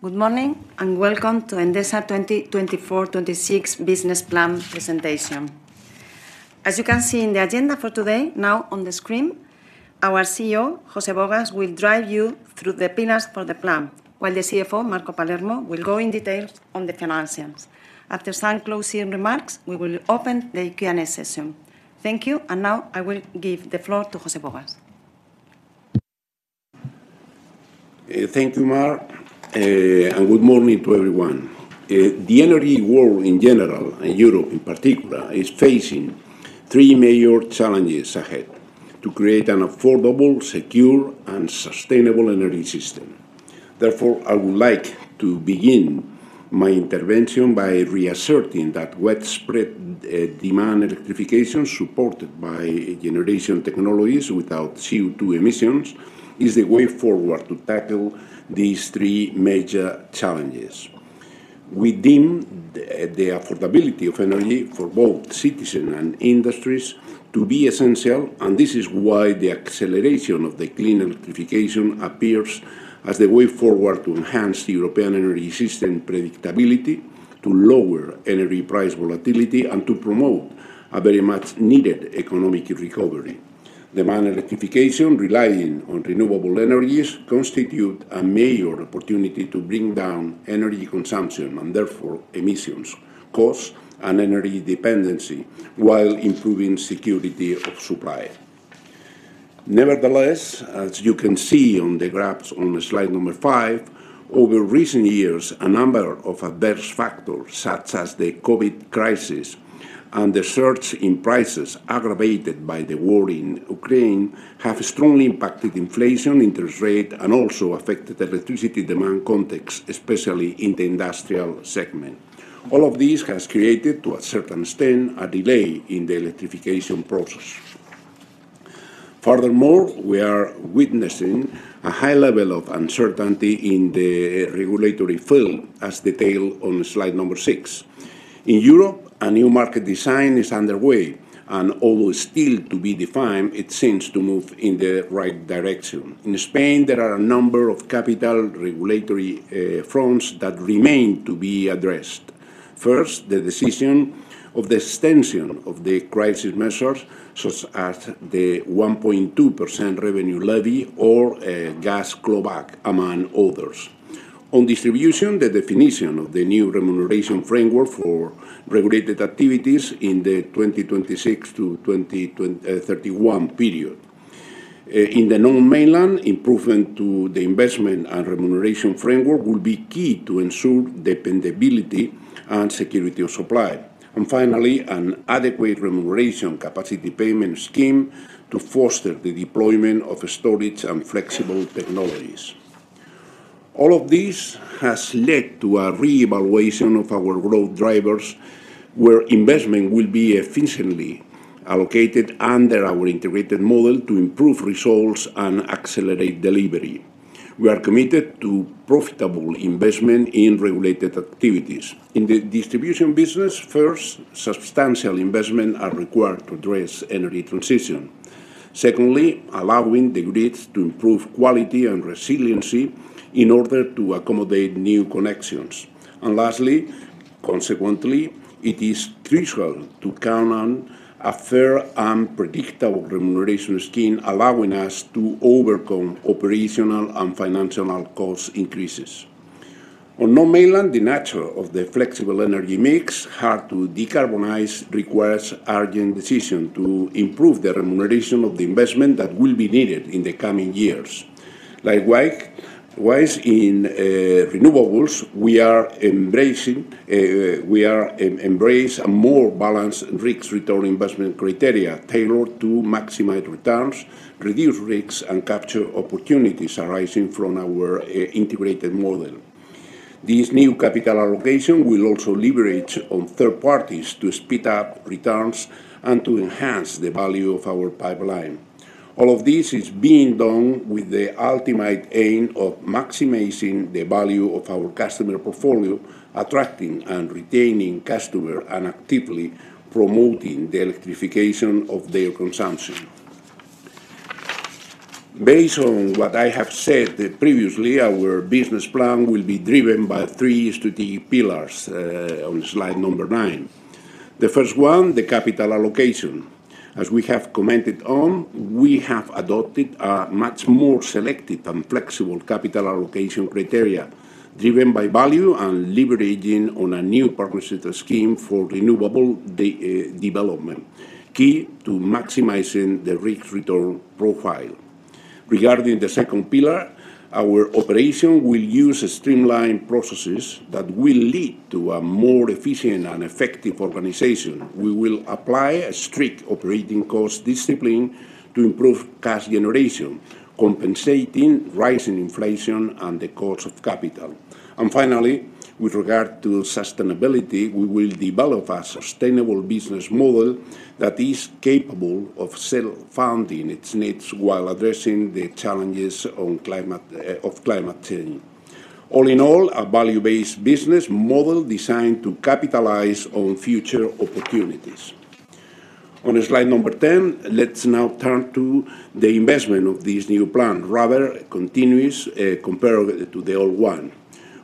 Good morning, and welcome to Endesa 2024-2026 business plan presentation. As you can see in the agenda for today, now on the screen, our CEO, José Bogas, will drive you through the pillars for the plan, while the CFO, Marco Palermo, will go in details on the financials. After some closing remarks, we will open the Q&A session. Thank you, and now I will give the floor to José Bogas. Thank you, Mar, and good morning to everyone. The energy world in general, and Europe in particular, is facing three major challenges ahead to create an affordable, secure, and sustainable energy system. Therefore, I would like to begin my intervention by reasserting that widespread demand electrification, supported by generation technologies without CO2 emissions, is the way forward to tackle these three major challenges. We deem the affordability of energy for both citizen and industries to be essential, and this is why the acceleration of the clean electrification appears as the way forward to enhance the European energy system predictability, to lower energy price volatility, and to promote a very much needed economic recovery. Demand electrification, relying on renewable energies, constitute a major opportunity to bring down energy consumption, and therefore emissions, costs, and energy dependency, while improving security of supply. Nevertheless, as you can see on the graphs on slide number 5, over recent years, a number of adverse factors, such as the COVID crisis and the surge in prices aggravated by the war in Ukraine, have strongly impacted inflation, interest rate, and also affected the electricity demand context, especially in the industrial segment. All of this has created, to a certain extent, a delay in the electrification process. Furthermore, we are witnessing a high level of uncertainty in the regulatory field, as detailed on slide number 6. In Europe, a new market design is underway, and although still to be defined, it seems to move in the right direction. In Spain, there are a number of capital regulatory fronts that remain to be addressed. First, the decision of the extension of the crisis measures, such as the 1.2% revenue levy or gas clawback among others. On distribution, the definition of the new remuneration framework for regulated activities in the 2026-2031 period. In the non-mainland, improvement to the investment and remuneration framework will be key to ensure dependability and security of supply. And finally, an adequate remuneration capacity payment scheme to foster the deployment of storage and flexible technologies. All of this has led to a reevaluation of our growth drivers, where investment will be efficiently allocated under our integrated model to improve results and accelerate delivery. We are committed to profitable investment in regulated activities. In the distribution business, first, substantial investment are required to address energy transition. Secondly, allowing the grids to improve quality and resiliency in order to accommodate new connections. Lastly, consequently, it is crucial to count on a fair and predictable remuneration scheme, allowing us to overcome operational and financial cost increases. On non-mainland, the nature of the flexible energy mix, hard to decarbonize, requires urgent decision to improve the remuneration of the investment that will be needed in the coming years. Likewise, while in renewables, we are embracing a more balanced risk-return investment criteria, tailored to maximize returns, reduce risks, and capture opportunities arising from our integrated model. This new capital allocation will also leverage on third parties to speed up returns and to enhance the value of our pipeline. All of this is being done with the ultimate aim of maximizing the value of our customer portfolio, attracting and retaining customer, and actively promoting the electrification of their consumption. Based on what I have said previously, our business plan will be driven by three strategic pillars on slide number nine. The first one, the capital allocation. As we have commented on, we have adopted a much more selective and flexible capital allocation criteria, driven by value and leveraging on a new partnership scheme for renewable development, key to maximizing the risk-return profile. Regarding the second pillar, our operation will use streamlined processes that will lead to a more efficient and effective organization. We will apply a strict operating cost discipline to improve cash generation, compensating rising inflation and the cost of capital. And finally, with regard to sustainability, we will develop a sustainable business model that is capable of self-funding its needs while addressing the challenges of climate change. All in all, a value-based business model designed to capitalize on future opportunities. On slide number 10, let's now turn to the investment of this new plan. Rather, it continues compared to the old one.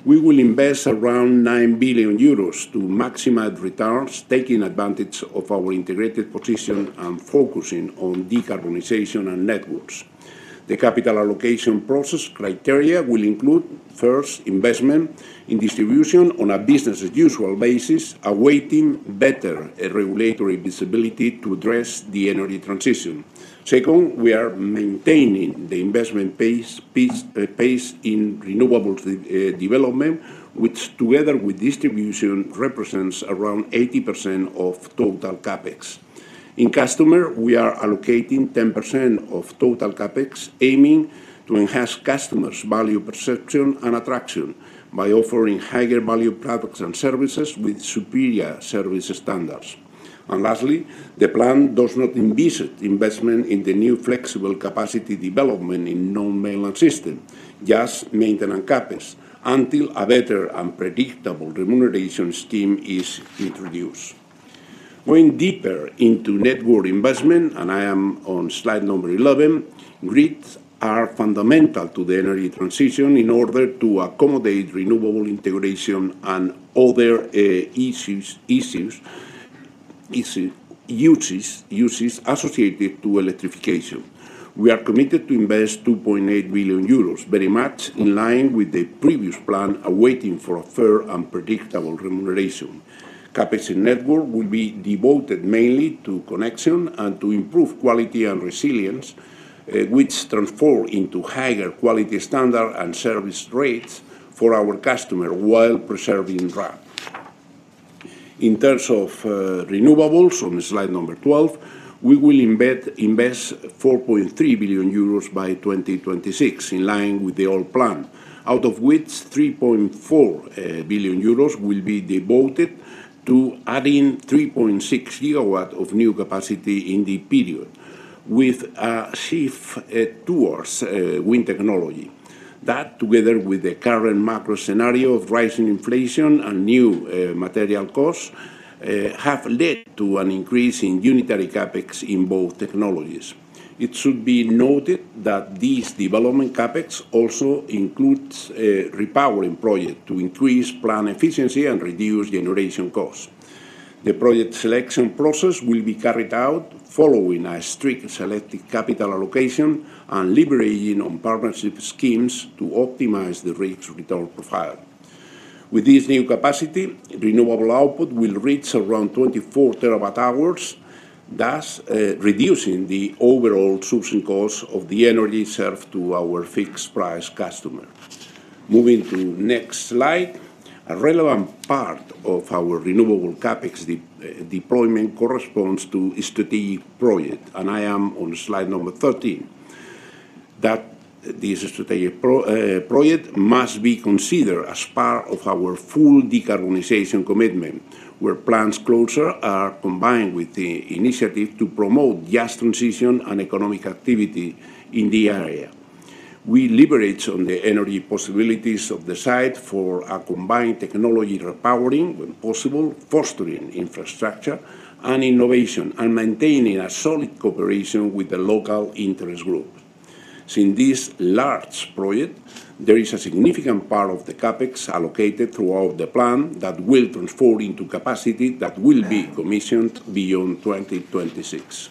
We will invest around 9 billion euros to maximize returns, taking advantage of our integrated position and focusing on decarbonization and networks. The capital allocation process criteria will include, first, investment in distribution on a business-as-usual basis, awaiting better regulatory visibility to address the energy transition. Second, we are maintaining the investment pace in renewables development, which together with distribution, represents around 80% of total CapEx. In customer, we are allocating 10% of total CapEx, aiming to enhance customers' value perception and attraction by offering higher-value products and services with superior service standards. Lastly, the plan does not envisage investment in the new flexible capacity development in non-mainland system, just maintenance CapEx, until a better and predictable remuneration scheme is introduced. Going deeper into network investment, and I am on slide number 11, grids are fundamental to the energy transition in order to accommodate renewable integration and other uses associated to electrification. We are committed to invest 2.8 billion euros, very much in line with the previous plan, awaiting for a fair and predictable remuneration. Capacity network will be devoted mainly to connection and to improve quality and resilience, which transform into higher quality standard and service rates for our customer while preserving DRAP. In terms of renewables, on slide number 12, we will invest 4.3 billion euros by 2026, in line with the old plan, out of which 3.4 billion euros will be devoted to adding 3.6 gigawatt of new capacity in the period, with a shift towards wind technology. That, together with the current macro scenario of rising inflation and new material costs, have led to an increase in unitary CapEx in both technologies. It should be noted that these development CapEx also includes repowering project to increase plant efficiency and reduce generation costs. The project selection process will be carried out following a strict selective capital allocation and leveraging on partnership schemes to optimize the rates return profile. With this new capacity, renewable output will reach around 24 TWh, thus, reducing the overall sourcing cost of the energy served to our fixed-price customer. Moving to next slide, a relevant part of our renewable CapEx deployment corresponds to strategic project, and I am on slide number 13. That this strategic project must be considered as part of our full decarbonization commitment, where plants closure are combined with the initiative to promote just transition and economic activity in the area. We leverage on the energy possibilities of the site for a combined technology repowering, when possible, fostering infrastructure and innovation, and maintaining a solid cooperation with the local interest group. So in this large project, there is a significant part of the CapEx allocated throughout the plan that will transform into capacity that will be commissioned beyond 2026.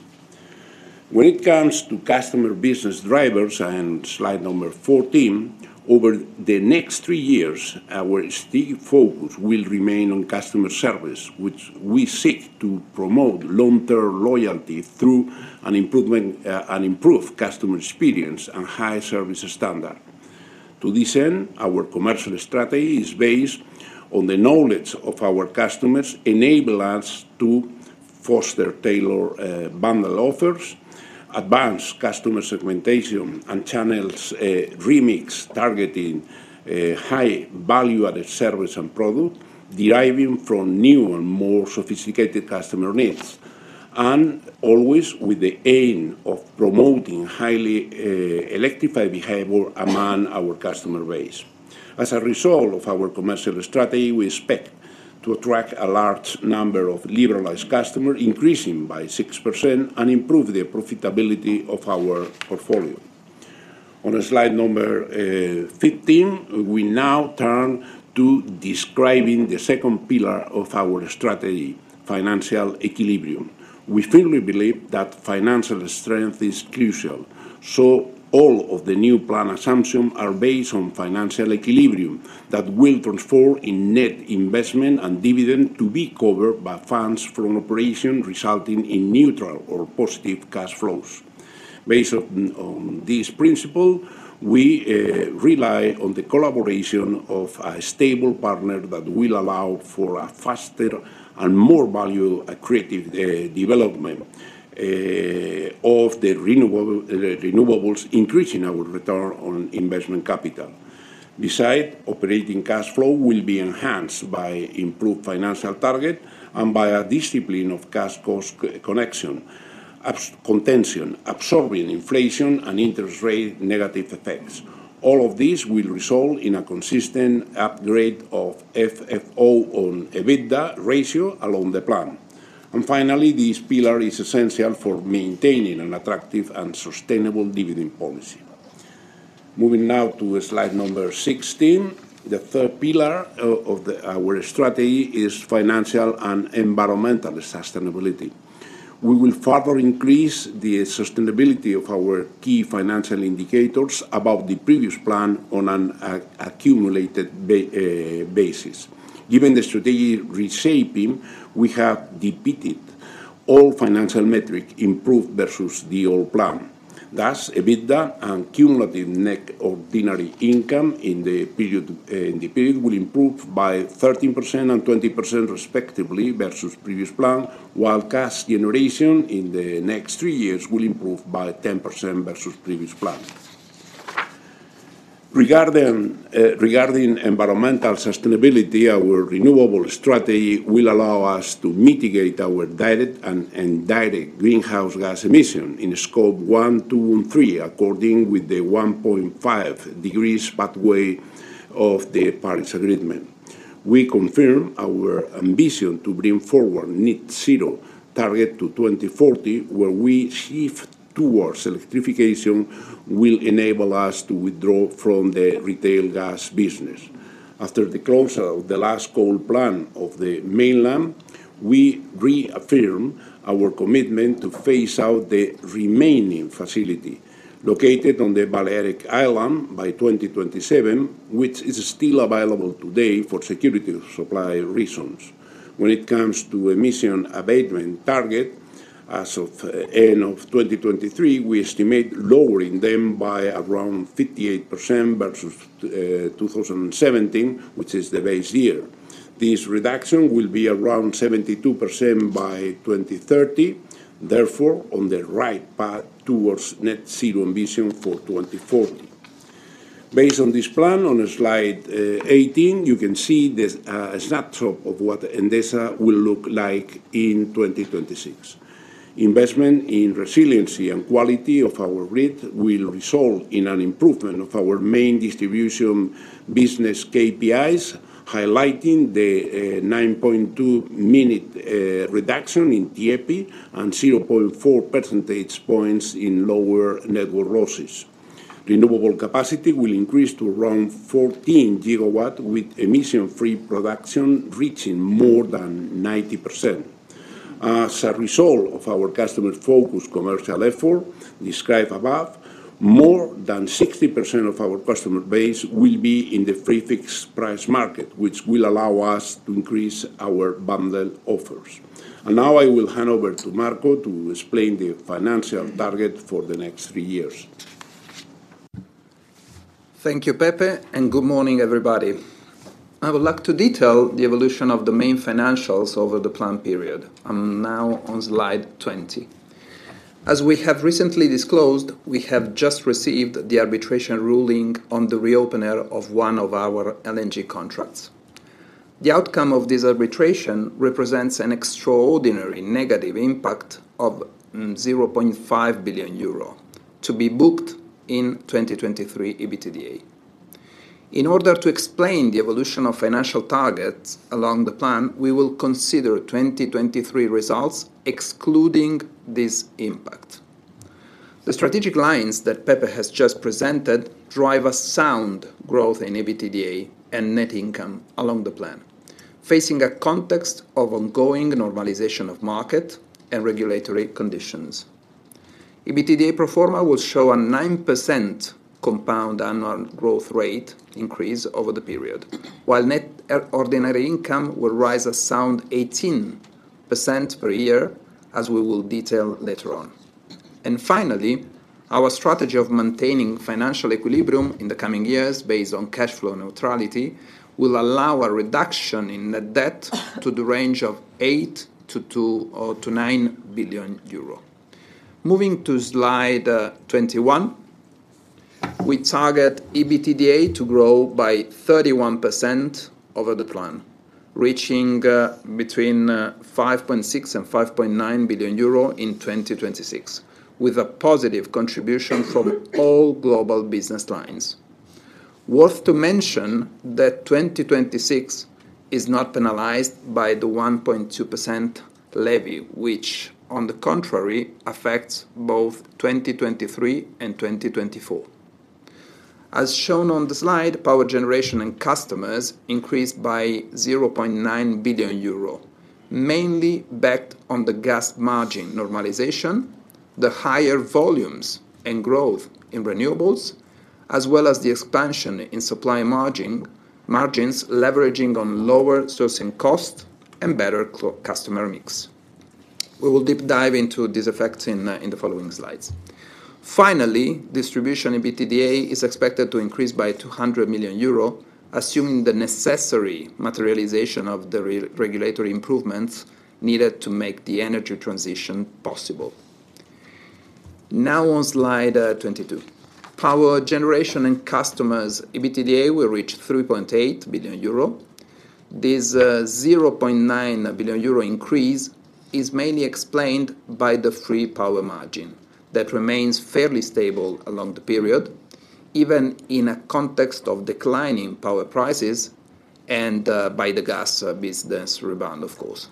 When it comes to customer business drivers, and slide number 14, over the next three years, our steep focus will remain on customer service, which we seek to promote long-term loyalty through an improvement, an improved customer experience and high service standard. To this end, our commercial strategy is based on the knowledge of our customers, enable us to foster tailor, bundle offers, advance customer segmentation and channels, remix, targeting, high value-added service and product, deriving from new and more sophisticated customer needs, and always with the aim of promoting highly, electrified behavior among our customer base. As a result of our commercial strategy, we expect to attract a large number of liberalized customers, increasing by 6%, and improve the profitability of our portfolio. On slide number, 15, we now turn to describing the second pillar of our strategy: financial equilibrium. We firmly believe that financial strength is crucial, so all of the new plan assumptions are based on financial equilibrium that will transform in net investment and dividend to be covered by funds from operation, resulting in neutral or positive cash flows. Based on this principle, we rely on the collaboration of a stable partner that will allow for a faster and more value creative development of the renewables, increasing our return on investment capital. Besides, operating cash flow will be enhanced by improved financial target and by a discipline of cash cost containment, absorbing inflation and interest rate negative effects. All of these will result in a consistent upgrade of FFO on EBITDA ratio along the plan. And finally, this pillar is essential for maintaining an attractive and sustainable dividend policy. Moving now to slide number 16. The third pillar of our strategy is financial and environmental sustainability. We will further increase the sustainability of our key financial indicators above the previous plan on an accumulated basis. Given the strategic reshaping, we have depicted all financial metric improved versus the old plan. Thus, EBITDA and cumulative net ordinary income in the period will improve by 13% and 20% respectively versus previous plan, while cash generation in the next three years will improve by 10% versus previous plan. Regarding environmental sustainability, our renewable strategy will allow us to mitigate our direct and indirect greenhouse gas emission in Scope 1, 2, and 3, according to the 1.5 degrees pathway of the Paris Agreement. We confirm our ambition to bring forward net zero target to 2040, where we shift towards electrification will enable us to withdraw from the retail gas business. After the closure of the last coal plant of the mainland, we reaffirm our commitment to phase out the remaining facility located on the Balearic Islands by 2027, which is still available today for security of supply reasons. When it comes to emission abatement target, as of end of 2023, we estimate lowering them by around 58% versus 2017, which is the base year. This reduction will be around 72% by 2030, therefore, on the right path towards net zero ambition for 2040. Based on this plan, on slide 18, you can see the snapshot of what Endesa will look like in 2026. Investment in resiliency and quality of our grid will result in an improvement of our main distribution business KPIs, highlighting the 9.2-minute reduction in TIEPI and 0.4 percentage points in lower network losses. Renewable capacity will increase to around 14 GW, with emission-free production reaching more than 90%. As a result of our customer-focused commercial effort described above, more than 60% of our customer base will be in the free fixed price market, which will allow us to increase our bundled offers. Now I will hand over to Marco to explain the financial target for the next three years. Thank you, Pepe, and good morning, everybody. I would like to detail the evolution of the main financials over the plan period. I'm now on slide 20. As we have recently disclosed, we have just received the arbitration ruling on the reopener of one of our LNG contracts. The outcome of this arbitration represents an extraordinary negative impact of 0.5 billion euro, to be booked in 2023 EBITDA. In order to explain the evolution of financial targets along the plan, we will consider 2023 results, excluding this impact. The strategic lines that Pepe has just presented drive a sound growth in EBITDA and net income along the plan, facing a context of ongoing normalization of market and regulatory conditions. EBITDA pro forma will show a 9% compound annual growth rate increase over the period, while net ordinary income will rise around 18% per year, as we will detail later on. Finally, our strategy of maintaining financial equilibrium in the coming years, based on cashflow neutrality, will allow a reduction in net debt to the range of 2.8 billion euro to 3 billion, or to 2.9 billion euro. Moving to slide 21, we target EBITDA to grow by 31% over the plan, reaching between 5.6 billion and 5.9 billion euro in 2026, with a positive contribution from all global business lines. Worth mentioning that 2026 is not analyzed by the 1.2% levy, which, on the contrary, affects both 2023 and 2024. As shown on the slide, power generation and customers increased by 0.9 billion euro, mainly backed on the gas margin normalization, the higher volumes and growth in renewables, as well as the expansion in supply margin, margins, leveraging on lower sourcing costs and better customer mix. We will deep dive into these effects in the following slides. Finally, distribution in EBITDA is expected to increase by 200 million euro, assuming the necessary materialization of the regulatory improvements needed to make the energy transition possible. Now on slide 22. Power generation and customers EBITDA will reach 3.8 billion euro. This 0.9 billion euro increase is mainly explained by the free power margin that remains fairly stable along the period, even in a context of declining power prices and by the gas business rebound, of course.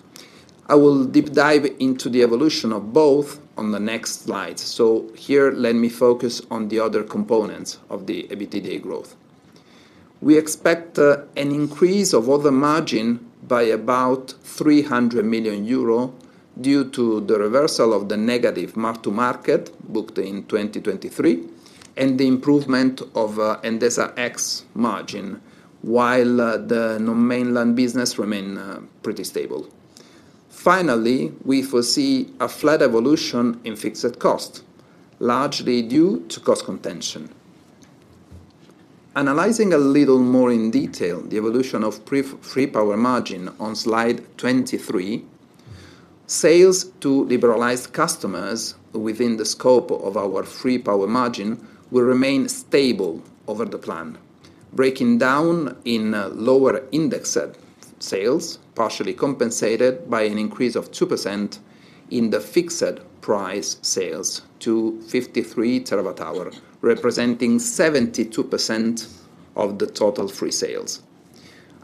I will deep dive into the evolution of both on the next slide. So here, let me focus on the other components of the EBITDA growth. We expect an increase of other margin by about 300 million euro due to the reversal of the negative mark-to-market booked in 2023, and the improvement of Endesa X margin, while the non-mainland business remain pretty stable. Finally, we foresee a flat evolution in fixed cost, largely due to cost containment. Analyzing a little more in detail, the evolution of free power margin on slide 23, sales to liberalized customers within the scope of our free power margin will remain stable over the plan, breaking down in lower indexed sales, partially compensated by an increase of 2% in the fixed price sales to 53 terawatt-hour, representing 72% of the total free sales.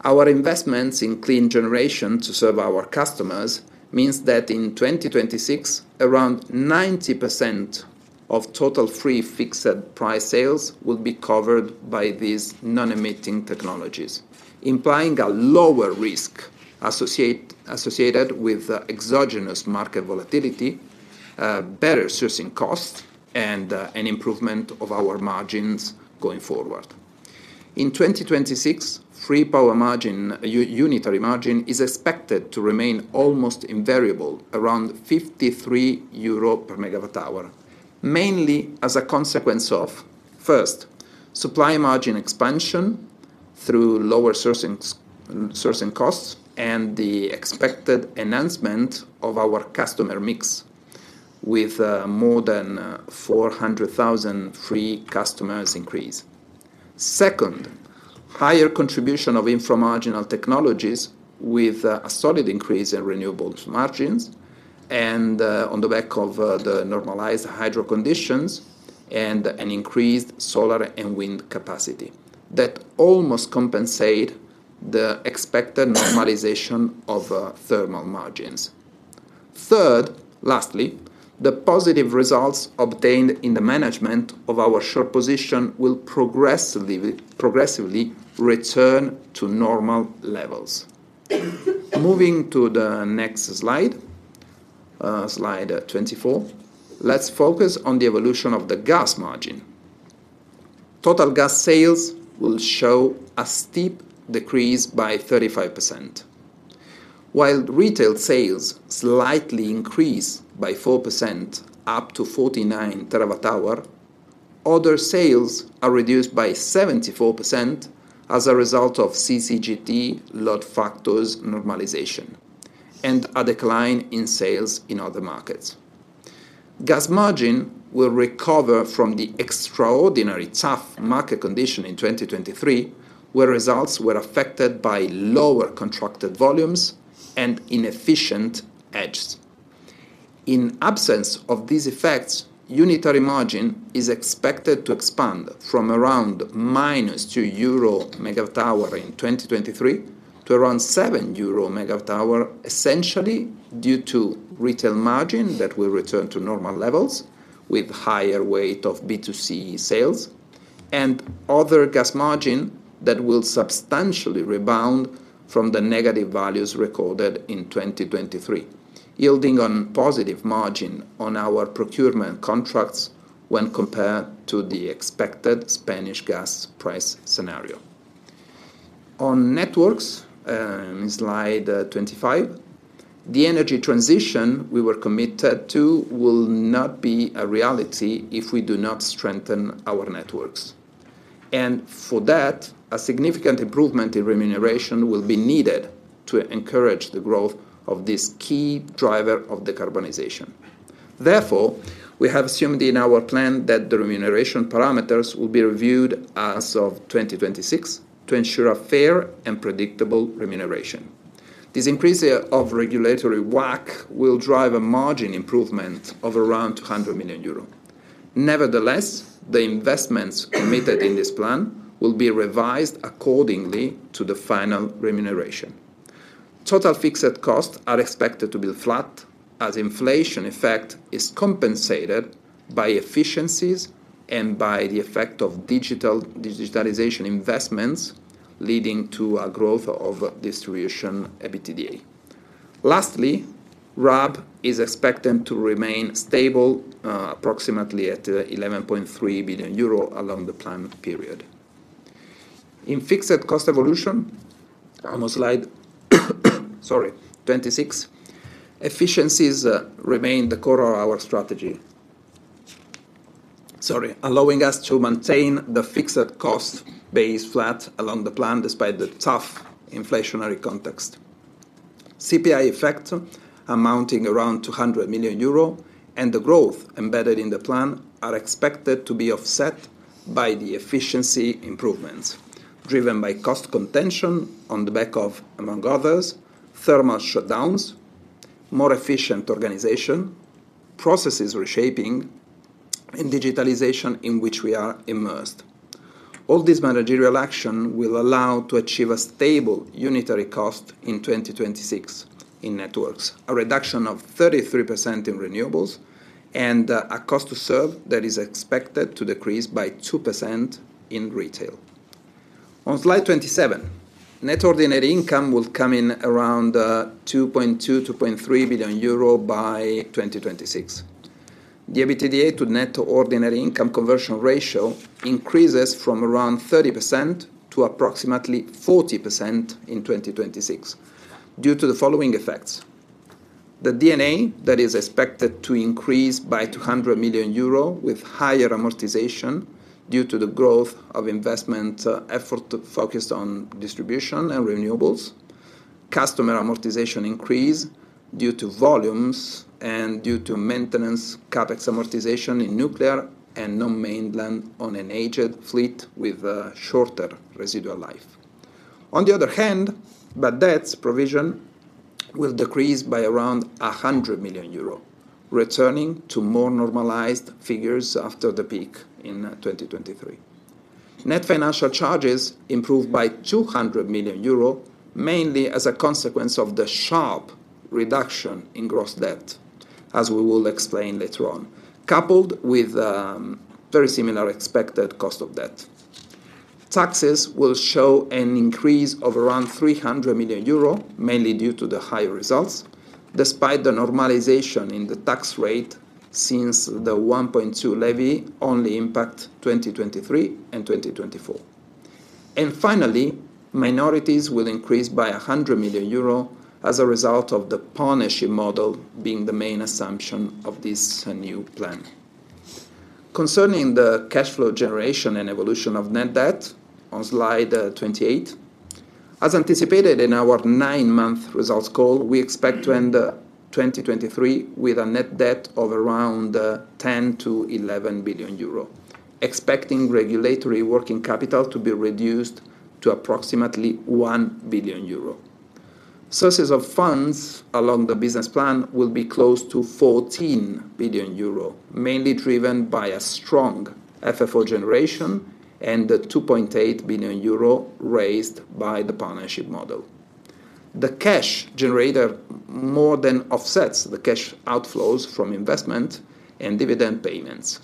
Our investments in clean generation to serve our customers means that in 2026, around 90% of total free fixed price sales will be covered by these non-emitting technologies, implying a lower risk associated with exogenous market volatility, better sourcing cost, and an improvement of our margins going forward. In 2026, free power margin, unitary margin is expected to remain almost invariable, around 53 euro per MWh, mainly as a consequence of, first, supply margin expansion through lower sourcing costs, and the expected enhancement of our customer mix with more than 400,000 free customers increase. Second, higher contribution of infra-marginal technologies with a solid increase in renewables margins and on the back of the normalized hydro conditions and an increased solar and wind capacity that almost compensate the expected normalization of thermal margins. Third, lastly, the positive results obtained in the management of our short position will progressively, progressively return to normal levels. Moving to the next slide, slide 24, let's focus on the evolution of the gas margin. Total gas sales will show a steep decrease by 35%. While retail sales slightly increase by 4%, up to 49 TWh, other sales are reduced by 74% as a result of CCGT load factors normalization and a decline in sales in other markets. Gas margin will recover from the extraordinary tough market condition in 2023, where results were affected by lower contracted volumes and inefficient hedges. In absence of these effects, unitary margin is expected to expand from around -2 euro/MWh in 2023 to around 7 euro/MWh, essentially due to retail margin that will return to normal levels, with higher weight of B2C sales and other gas margin that will substantially rebound from the negative values recorded in 2023, yielding on positive margin on our procurement contracts when compared to the expected Spanish gas price scenario. On networks, in slide 25, the energy transition we were committed to will not be a reality if we do not strengthen our networks. And for that, a significant improvement in remuneration will be needed to encourage the growth of this key driver of decarbonization. Therefore, we have assumed in our plan that the remuneration parameters will be reviewed as of 2026 to ensure a fair and predictable remuneration. This increase of regulatory WACC will drive a margin improvement of around 200 million euro. Nevertheless, the investments committed in this plan will be revised accordingly to the final remuneration. Total fixed costs are expected to be flat, as inflation effect is compensated by efficiencies and by the effect of digitalization investments, leading to a growth of distribution EBITDA. Lastly, RAB is expected to remain stable, approximately at 11.3 billion euro along the plan period. In fixed cost evolution, on slide 26, sorry, efficiencies remain the core of our strategy. Sorry. Allowing us to maintain the fixed cost base flat along the plan, despite the tough inflationary context. CPI effects amounting around 200 million euro, and the growth embedded in the plan are expected to be offset by the efficiency improvements, driven by cost contention on the back of, among others, thermal shutdowns, more efficient organization, processes reshaping, and digitalization in which we are immersed. All this managerial action will allow to achieve a stable unitary cost in 2026 in networks, a reduction of 33% in renewables, and a cost to serve that is expected to decrease by 2% in retail. On slide 27, net ordinary income will come in around 2.2, 2.3 billion euro by 2026. The EBITDA to net ordinary income conversion ratio increases from around 30% to approximately 40% in 2026, due to the following effects: The D&A that is expected to increase by 200 million euro, with higher amortization due to the growth of investment, effort to focus on distribution and renewables. Customer amortization increase due to volumes and due to maintenance, CapEx amortization in nuclear, and non-mainland on an aged fleet with, shorter residual life. On the other hand, bad debts provision will decrease by around 100 million euro, returning to more normalized figures after the peak in, 2023. Net financial charges improve by 200 million euro, mainly as a consequence of the sharp reduction in gross debt, as we will explain later on, coupled with, very similar expected cost of debt. Taxes will show an increase of around 300 million euro, mainly due to the high results, despite the normalization in the tax rate since the 1.2 levy only impacts 2023 and 2024. Finally, minorities will increase by 100 million euro as a result of the partnership model being the main assumption of this new plan. Concerning the cash flow generation and evolution of net debt, on slide 28, as anticipated in our 9-month results call, we expect to end 2023 with a net debt of around 10 billion-11 billion euro, expecting regulatory working capital to be reduced to approximately 1 billion euro. Sources of funds along the business plan will be close to 14 billion euro, mainly driven by a strong FFO generation and the 2.8 billion euro raised by the partnership model. The cash generator more than offsets the cash outflows from investment and dividend payments,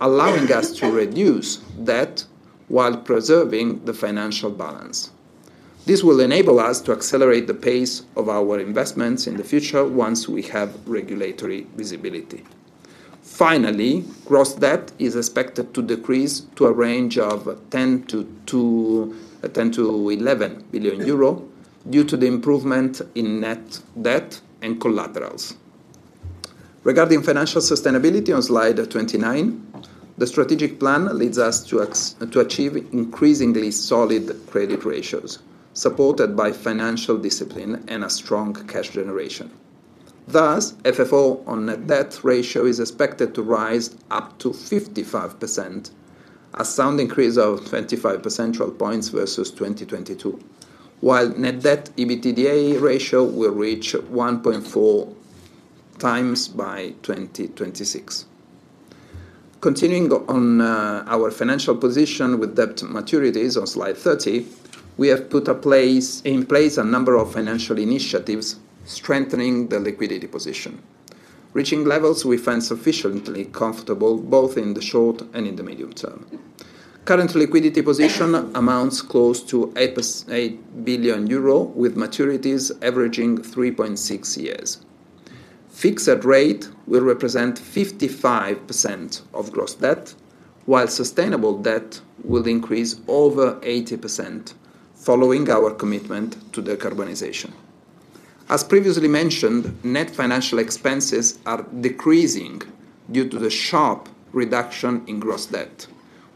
allowing us to reduce debt while preserving the financial balance. This will enable us to accelerate the pace of our investments in the future once we have regulatory visibility. Finally, gross debt is expected to decrease to a range of 10 billion-11 billion euro due to the improvement in net debt and collaterals. Regarding financial sustainability, on slide 29, the strategic plan leads us to achieve increasingly solid credit ratios, supported by financial discipline and a strong cash generation. Thus, FFO on net debt ratio is expected to rise up to 55%, a sound increase of 25 percentage points versus 2022, while net debt EBITDA ratio will reach 1.4 times by 2026. Continuing on, our financial position with debt maturities, on slide 30, we have put in place a number of financial initiatives strengthening the liquidity position, reaching levels we find sufficiently comfortable, both in the short and in the medium term. Current liquidity position amounts close to 8 billion euro, with maturities averaging 3.6 years. Fixed rate will represent 55% of gross debt, while sustainable debt will increase over 80%, following our commitment to decarbonization. As previously mentioned, net financial expenses are decreasing due to the sharp reduction in gross debt,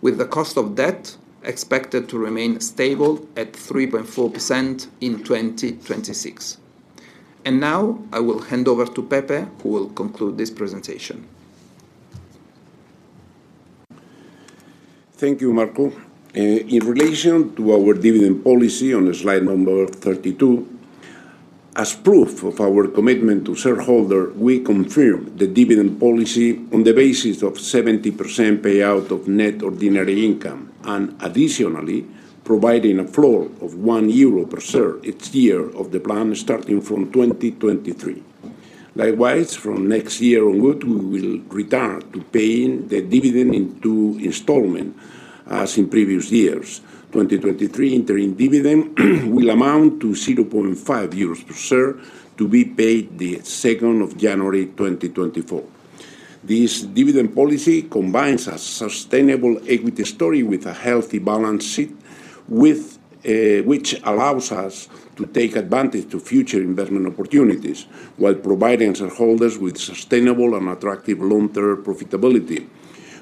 with the cost of debt expected to remain stable at 3.4% in 2026. And now I will hand over to Pepe, who will conclude this presentation. Thank you, Marco. In relation to our dividend policy on slide number 32, as proof of our commitment to shareholder, we confirm the dividend policy on the basis of 70% payout of net ordinary income, and additionally, providing a flow of 1 euro per share each year of the plan, starting from 2023. Likewise, from next year onward, we will return to paying the dividend in two installment, as in previous years. 2023 interim dividend will amount to 0.5 euros per share, to be paid the second of January, 2024. This dividend policy combines a sustainable equity story with a healthy balance sheet, with which allows us to take advantage to future investment opportunities, while providing shareholders with sustainable and attractive long-term profitability....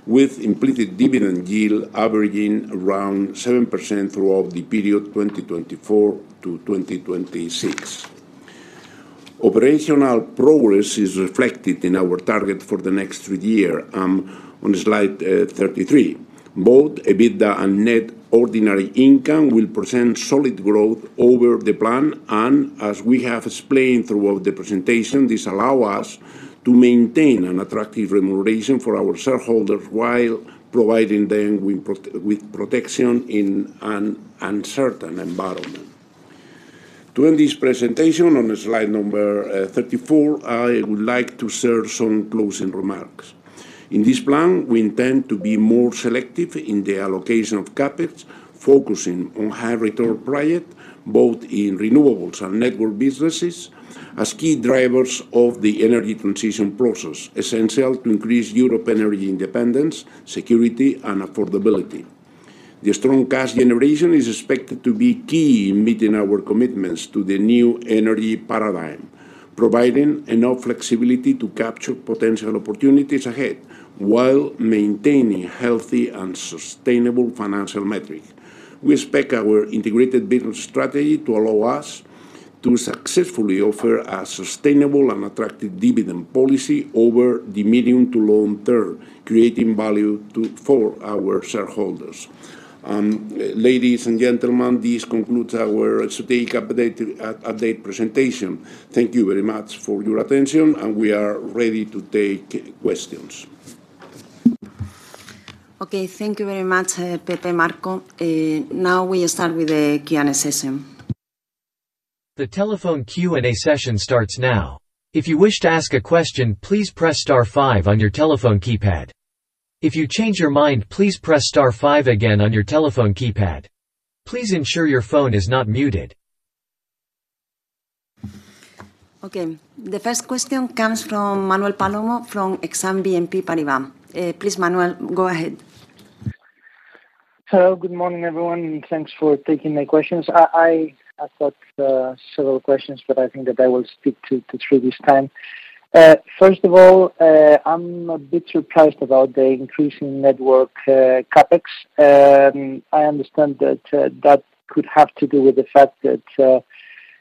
with implicit dividend yield averaging around 7% throughout the period 2024 to 2026. Operational progress is reflected in our target for the next three year on slide 33. Both EBITDA and net ordinary income will present solid growth over the plan, and as we have explained throughout the presentation, this allow us to maintain an attractive remuneration for our shareholders while providing them with protection in an uncertain environment. To end this presentation, on slide number 34, I would like to share some closing remarks. In this plan, we intend to be more selective in the allocation of CapEx, focusing on high return project, both in renewables and network businesses, as key drivers of the energy transition process, essential to increase Europe energy independence, security, and affordability. The strong cash generation is expected to be key in meeting our commitments to the new energy paradigm, providing enough flexibility to capture potential opportunities ahead while maintaining healthy and sustainable financial metric. We expect our integrated business strategy to allow us to successfully offer a sustainable and attractive dividend policy over the medium to long term, creating value to... for our shareholders. Ladies and gentlemen, this concludes our strategic update presentation. Thank you very much for your attention, and we are ready to take questions. Okay, thank you very much, Pepe, Marco. Now we start with the Q&A session. The telephone Q&A session starts now. If you wish to ask a question, please press star five on your telephone keypad. If you change your mind, please press star five again on your telephone keypad. Please ensure your phone is not muted. Okay, the first question comes from Manuel Palomo, from BNP Paribas Exane. Please, Manuel, go ahead. Hello, good morning, everyone, and thanks for taking my questions. I've got several questions, but I think that I will speak to three this time. First of all, I'm a bit surprised about the increasing network CapEx. I understand that that could have to do with the fact that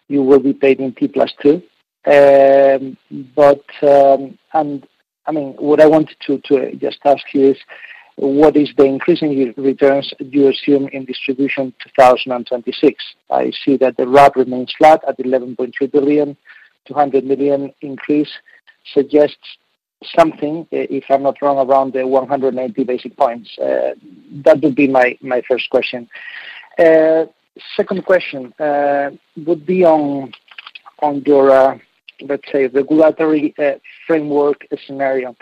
you will be paid in T plus two. But, and I mean, what I wanted to just ask you is: What is the increasing returns you assume in distribution 2026? I see that the RAB remains flat at 11.3 billion, 200 million increase suggests something, if I'm not wrong, around the 180 basis points. That would be my first question. Second question would be on your, let's say, the regulatory framework scenario.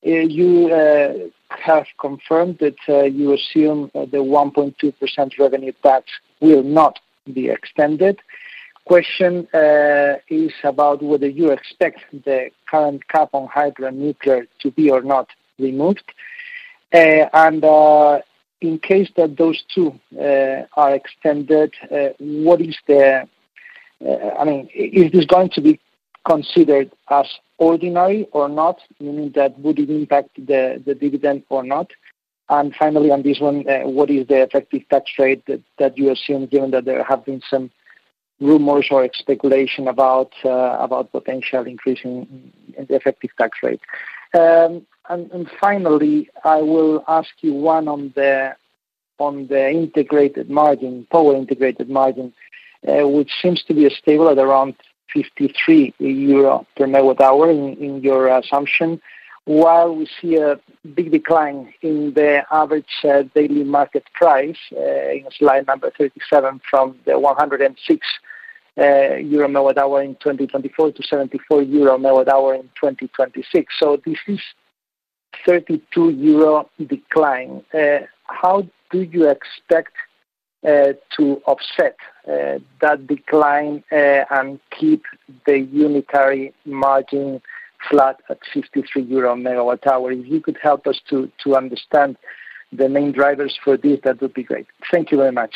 You have confirmed that you assume that the 1.2% revenue impact will not be extended. Question is about whether you expect the current cap on hydro and nuclear to be or not removed? And in case that those two are extended, what is the... I mean, is this going to be considered as ordinary or not? Meaning, that would it impact the dividend or not? And finally, on this one, what is the effective tax rate that you assume, given that there have been some rumors or speculation about potential increase in the effective tax rate? And finally, I will ask you one on the integrated margin, power integrated margin, which seems to be stable at around 53 euro/MWh in your assumption. While we see a big decline in the average, daily market price, in slide number 37, from the 106 euro/MWh in 2024 to 74 euro/MWh in 2026. So this is 32 euro decline. How do you expect, to offset, that decline, and keep the unitary margin flat at 53 euro/MWh? If you could help us to, to understand the main drivers for this, that would be great. Thank you very much.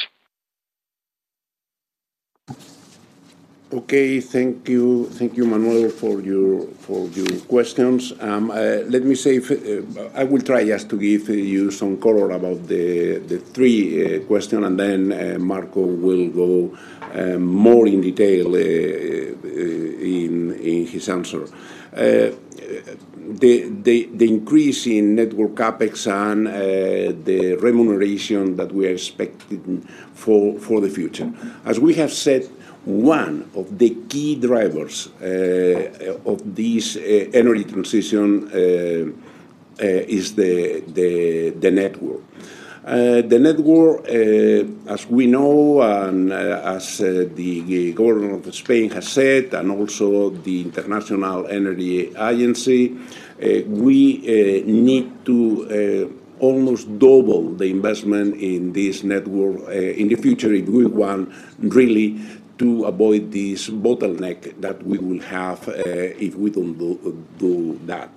Okay. Thank you. Thank you, Manuel, for your, for your questions. Let me say I will try just to give you some color about the three question, and then Marco will go more in detail in his answer. The increase in network CapEx and the remuneration that we are expecting for the future. As we have said, one of the key drivers of this energy transition is the network. The network, as we know and as the government of Spain has said, and also the International Energy Agency, we need to almost double the investment in this network in the future if we want really to avoid this bottleneck that we will have if we don't do that.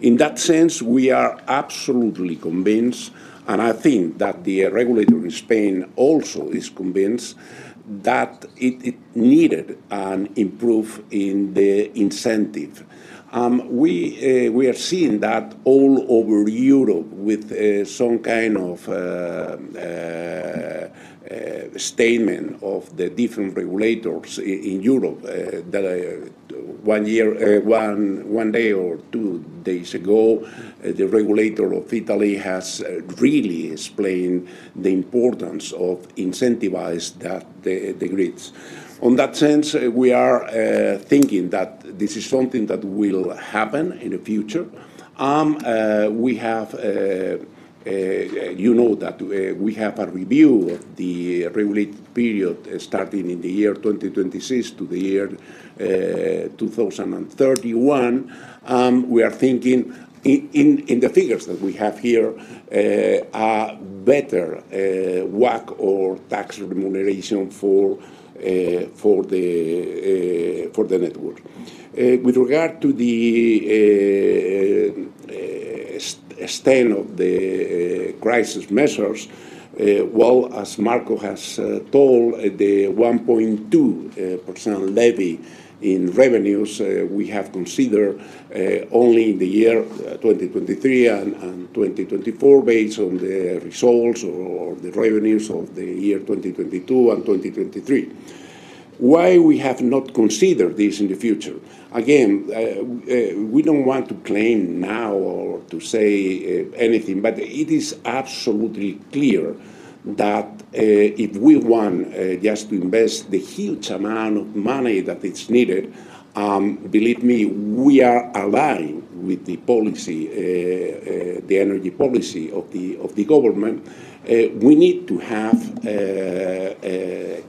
In that sense, we are absolutely convinced, and I think that the regulator in Spain also is convinced, that it needed an improvement in the incentive. We are seeing that all over Europe with some kind of statement of the different regulators in Europe that one year, one day or two days ago the regulator of Italy has really explained the importance of incentivize that the grids. On that sense, we are thinking that this is something that will happen in the future. We have, you know, that we have a review of the regulated period starting in the year 2026 to the year 2031. We are thinking in the figures that we have here are better WACC or tax remuneration for the network. With regard to the stand of the crisis measures, well, as Marco has told, the 1.2% levy in revenues, we have considered only in the year 2023 and 2024, based on the results or the revenues of the year 2022 and 2023. Why we have not considered this in the future? Again, we don't want to claim now or to say anything, but it is absolutely clear that if we want just to invest the huge amount of money that is needed, believe me, we are aligned with the policy, the energy policy of the government. We need to have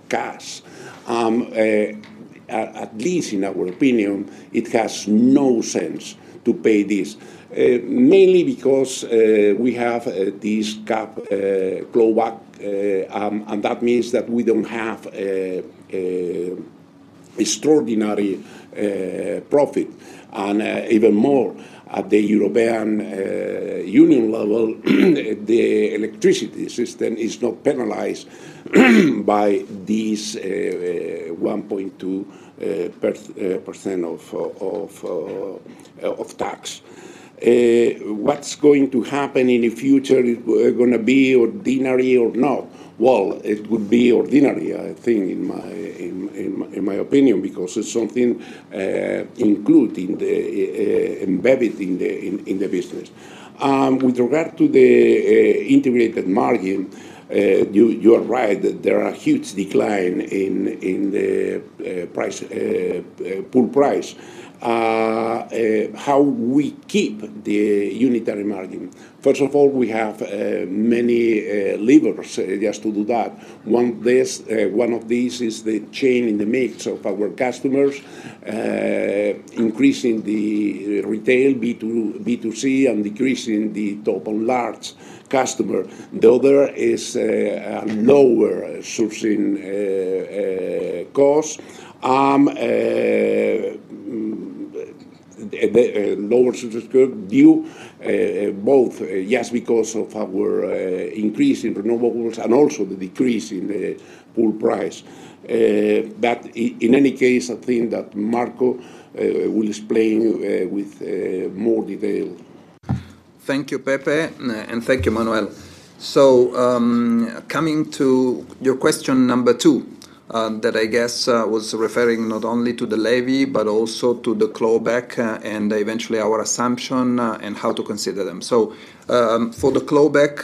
cash. At least in our opinion, it has no sense to pay this mainly because we have this cap clawback, and that means that we don't have extraordinary profit. And even more, at the European Union level, the electricity system is not penalized by these 1.2% of tax. What's going to happen in the future, is gonna be ordinary or not? Well, it would be ordinary, I think, in my opinion, because it's something included in the embedded in the business. With regard to the integrated margin, you are right, that there are huge decline in the pool price. How we keep the unitary margin? First of all, we have many levers just to do that. One of these is the change in the mix of our customers, increasing the retail B2C and decreasing the top on large customer. The other is lower sourcing cost. The lower sourcing cost due both yes because of our increase in renewables and also the decrease in the pool price. That, in any case, I think that Marco will explain with more detail. Thank you, Pepe, and thank you, Manuel. So, coming to your question number two, that I guess was referring not only to the levy but also to the clawback, and eventually our assumption, and how to consider them. So, for the clawback,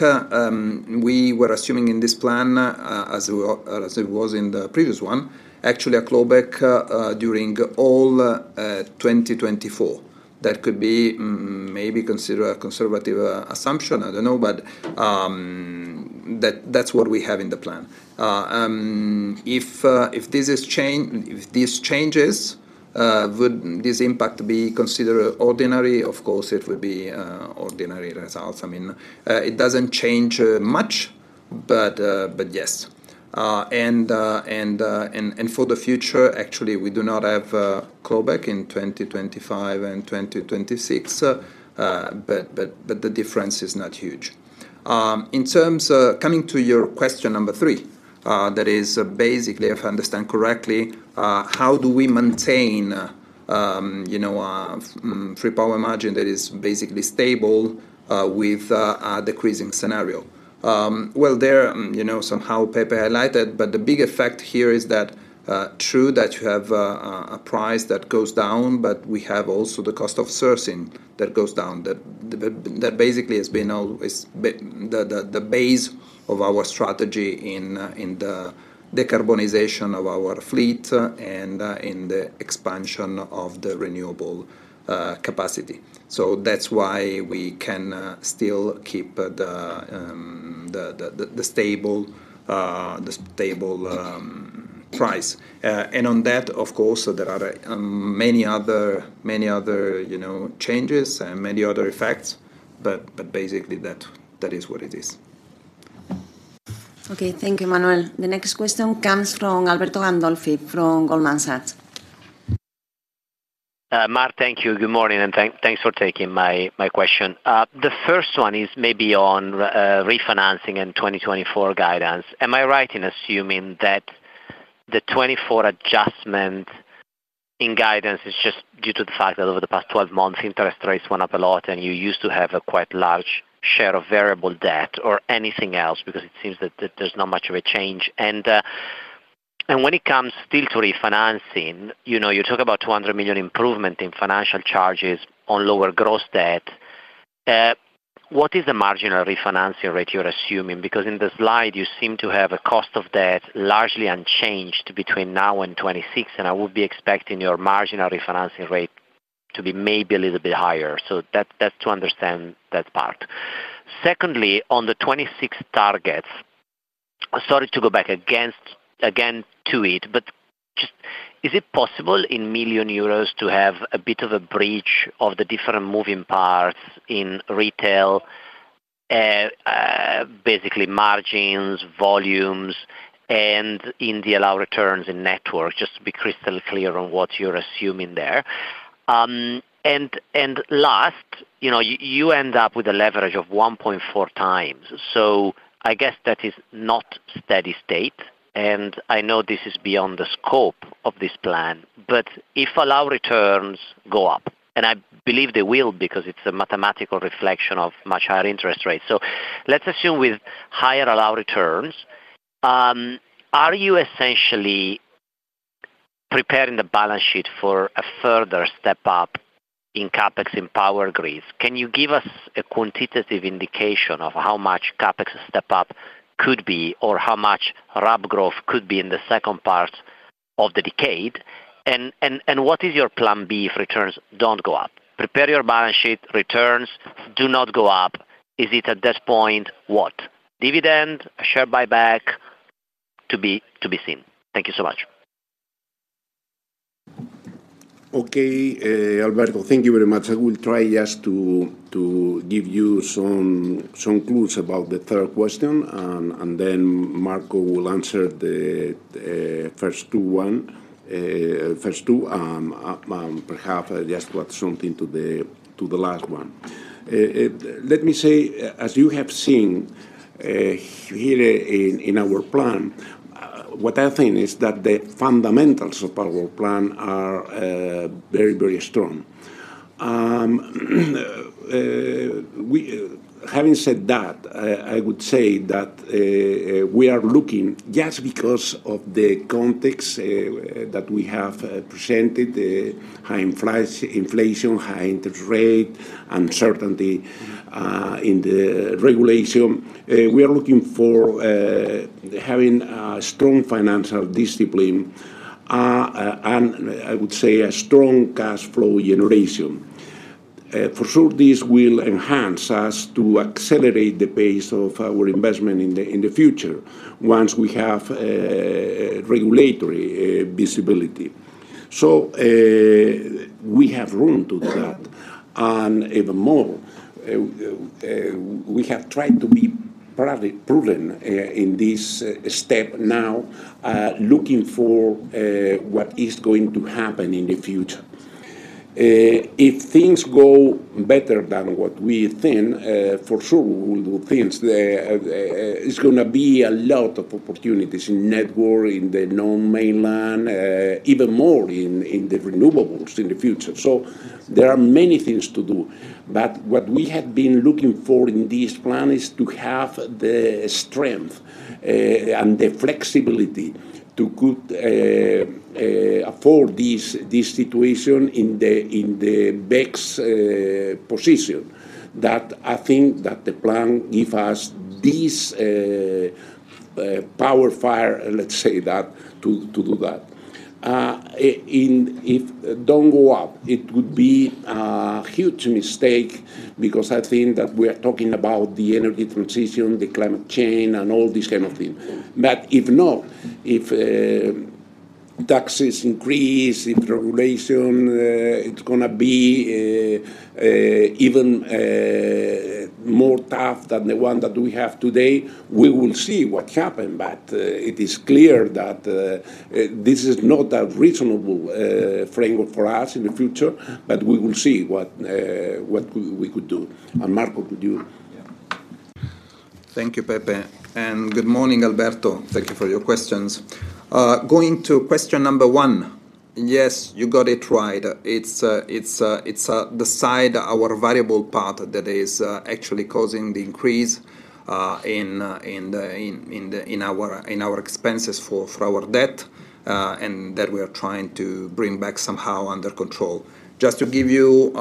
we were assuming in this plan, as we were, as it was in the previous one, actually a clawback during all 2024. That could be maybe considered a conservative assumption, I don't know, but, that, that's what we have in the plan. If this changes, would this impact be considered ordinary? Of course, it would be ordinary results. I mean, it doesn't change much, but yes. And for the future, actually, we do not have a clawback in 2025 and 2026. But the difference is not huge. In terms of... Coming to your question number three, that is basically, if I understand correctly, how do we maintain, you know, a free power margin that is basically stable, with a decreasing scenario? Well, you know, somehow Pepe highlighted, but the big effect here is that, true, that you have a price that goes down, but we have also the cost of sourcing that goes down. That basically has been the base of our strategy in the decarbonization of our fleet, and in the expansion of the renewable capacity. So that's why we can still keep the stable price. And on that, of course, there are many other, you know, changes and many other effects, but basically, that is what it is. Okay. Thank you, Manuel. The next question comes from Alberto Gandolfi, from Goldman Sachs. Mar, thank you. Good morning, and thanks for taking my question. The first one is maybe on refinancing and 2024 guidance. Am I right in assuming that the 2024 adjustment in guidance, it's just due to the fact that over the past 12 months, interest rates went up a lot, and you used to have a quite large share of variable debt or anything else, because it seems that there's not much of a change. And when it comes still to refinancing, you know, you talk about 200 million improvement in financial charges on lower gross debt. What is the marginal refinancing rate you're assuming? Because in the slide, you seem to have a cost of debt largely unchanged between now and 2026, and I would be expecting your marginal refinancing rate to be maybe a little bit higher. So that's, that's to understand that part. Secondly, on the 2026 targets, sorry to go back again to it, but just, is it possible, in million euros, to have a bit of a breakdown of the different moving parts in retail, basically margins, volumes, and in the allowed returns and network, just to be crystal clear on what you're assuming there. And last, you know, you end up with a leverage of 1.4 times, so I guess that is not steady state, and I know this is beyond the scope of this plan, but if allowed returns go up, and I believe they will, because it's a mathematical reflection of much higher interest rates. So let's assume with higher allowed returns, are you essentially preparing the balance sheet for a further step up in CapEx in power grids? Can you give us a quantitative indication of how much CapEx step up could be, or how much RAB growth could be in the second part of the decade? And what is your plan B if returns don't go up? Prepare your balance sheet, returns do not go up. Is it at that point, what? Dividend, a share buyback? To be seen. Thank you so much. Okay, Alberto, thank you very much. I will try just to give you some clues about the third question, and then Marco will answer the first two, and perhaps just add something to the last one. Let me say, as you have seen, here in our plan, what I think is that the fundamentals of our plan are very, very strong. Having said that, I would say that we are looking, just because of the context that we have presented, the high inflation, high interest rate, uncertainty in the regulation, we are looking for having a strong financial discipline, and I would say a strong cash flow generation. For sure, this will enhance us to accelerate the pace of our investment in the future once we have regulatory visibility. So, we have room to do that. And even more, we have tried to be probably prudent in this step now, looking for what is going to happen in the future. If things go better than what we think, for sure, we will think there is gonna be a lot of opportunities in network, in the non-mainland, even more in the renewables in the future. So there are many things to do, but what we have been looking for in this plan is to have the strength and the flexibility to could afford this situation in the best position. That I think that the plan give us this power, fire, let's say that, to do that. If don't go up, it would be a huge mistake because I think that we are talking about the energy transition, the climate change, and all these kind of things. But if not, if taxes increase, if regulation it's gonna be even more tough than the one that we have today, we will see what happened. But it is clear that this is not a reasonable framework for us in the future, but we will see what we could do. And, Marco, could you? Yeah. Thank you, Pepe, and good morning, Alberto. Thank you for your questions. Going to question number one, yes, you got it right. It's the side, our variable part that is actually causing the increase in our expenses for our debt, and that we are trying to bring back somehow under control. Just to give you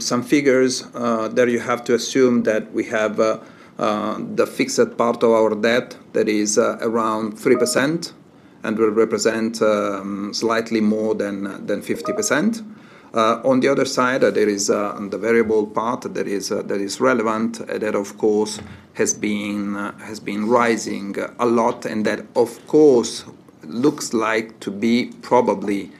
some figures, there you have to assume that we have the fixed part of our debt that is around 3% and will represent slightly more than 50%. On the other side, there is, on the variable part that is, that is relevant, that of course has been, has been rising a lot, and that of course, looks like to be probably,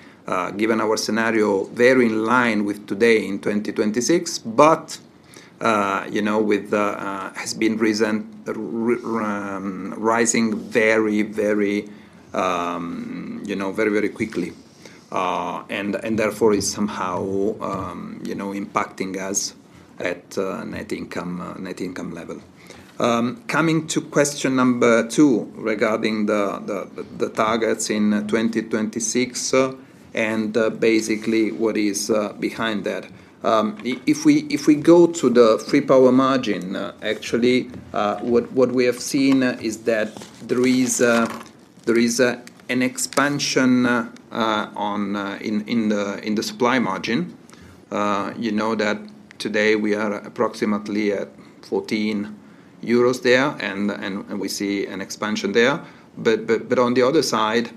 given our scenario, very in line with today in 2026. But, you know, with, has been rising very, very, you know, very, very quickly, and, and therefore is somehow, you know, impacting us.... at, net income, net income level. Coming to question number two, regarding the, the, the targets in, 2026, and, basically what is, behind that. If we go to the free power margin, actually, what we have seen is that there is an expansion in the supply margin. You know that today we are approximately at 14 euros there, and we see an expansion there. But on the other side,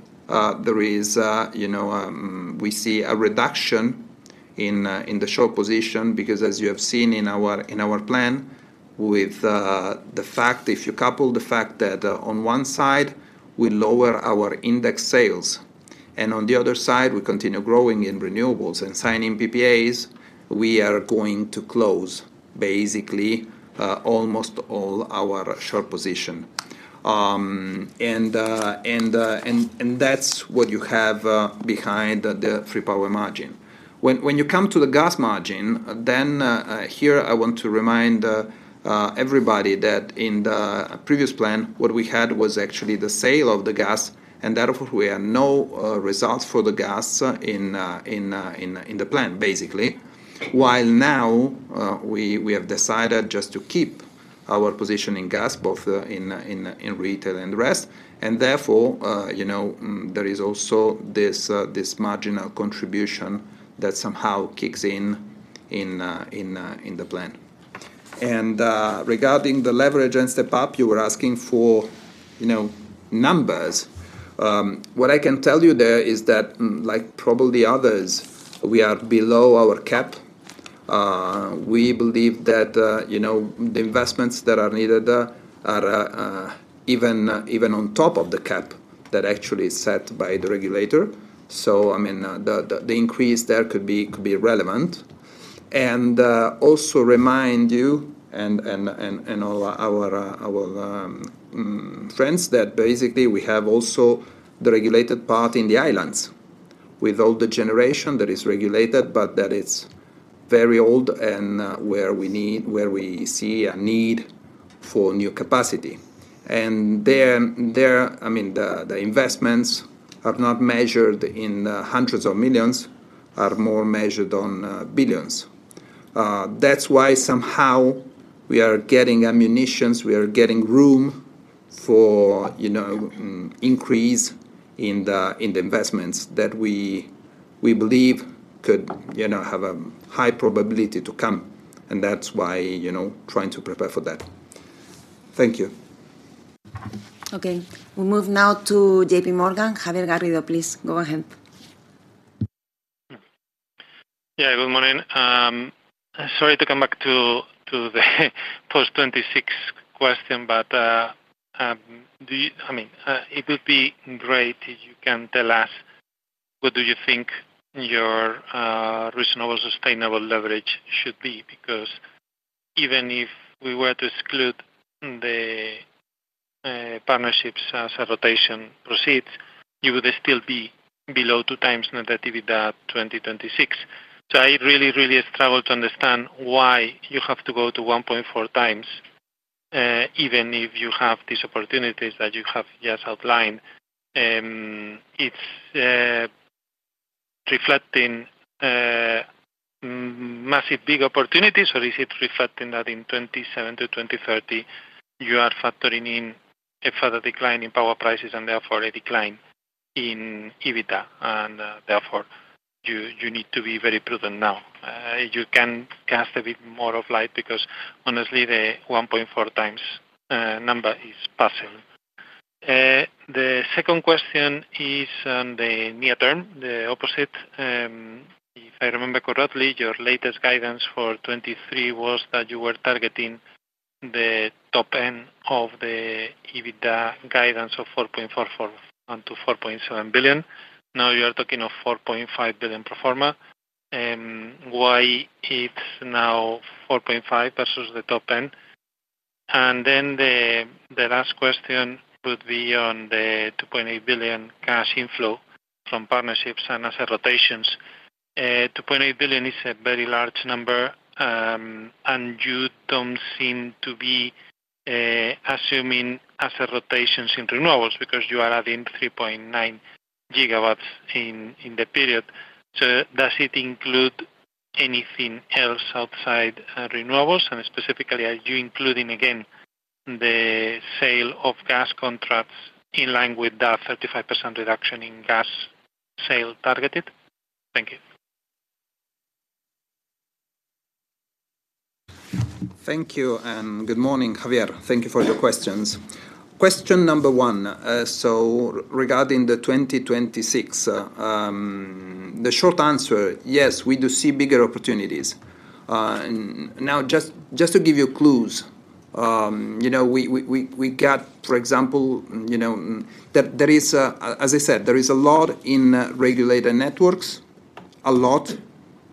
you know, we see a reduction in the short position, because as you have seen in our plan, if you couple the fact that, on one side we lower our index sales, and on the other side, we continue growing in renewables and signing PPAs, we are going to close basically almost all our short position. And that's what you have behind the free power margin. When you come to the gas margin, then here, I want to remind everybody that in the previous plan, what we had was actually the sale of the gas, and therefore we had no results for the gas in the plan, basically. While now, we have decided just to keep our position in gas, both in retail and the rest, and therefore, you know, there is also this marginal contribution that somehow kicks in in the plan. And regarding the leverage and step-up, you were asking for, you know, numbers. What I can tell you there is that, like probably others, we are below our cap. We believe that, you know, the investments that are needed are even on top of the cap that actually is set by the regulator. So, I mean, the increase there could be relevant. And, also remind you and all our friends that basically we have also the regulated part in the islands, with all the generation that is regulated, but that is very old and where we see a need for new capacity. And there, I mean, the investments are not measured in hundreds of millions, are more measured on billions. That's why somehow we are getting ammunitions, we are getting room for, you know, increase in the, in the investments that we, we believe could, you know, have a high probability to come. And that's why, you know, trying to prepare for that. Thank you. Okay. We move now to JPMorgan. Javier Garrido, please go ahead. Yeah, good morning. Sorry to come back to the post-2026 question, but, do you... I mean, it would be great if you can tell us, what do you think your reasonable sustainable leverage should be? Because even if we were to exclude the partnerships as a rotation proceeds, you would still be below 2x Net Debt to EBITDA by 2026. So I really, really struggle to understand why you have to go to 1.4x, even if you have these opportunities that you have just outlined. It's reflecting massive, big opportunities, or is it reflecting that in 2027 to 2030, you are factoring in a further decline in power prices and therefore a decline in EBITDA, and therefore you need to be very prudent now? You can cast a bit more of light, because honestly, the 1.4 times number is passing. The second question is on the near term, the opposite. If I remember correctly, your latest guidance for 2023 was that you were targeting the top end of the EBITDA guidance of 4.44 billion-4.7 billion. Now you are talking of 4.5 billion pro forma. Why it's now 4.5 versus the top end? And then the last question would be on the 2.8 billion cash inflow from partnerships and asset rotations. 2.8 billion is a very large number, and you don't seem to be assuming asset rotations in renewables, because you are adding 3.9 GW in the period. So does it include anything else outside renewables? And specifically, are you including, again, the sale of gas contracts in line with the 35% reduction in gas sale targeted? Thank you. Thank you, and good morning, Javier. Thank you for your questions. Question number one, so regarding the 2026, the short answer, yes, we do see bigger opportunities. Now, just to give you clues, you know, we got, for example, you know, there is a... As I said, there is a lot in regulated networks, a lot,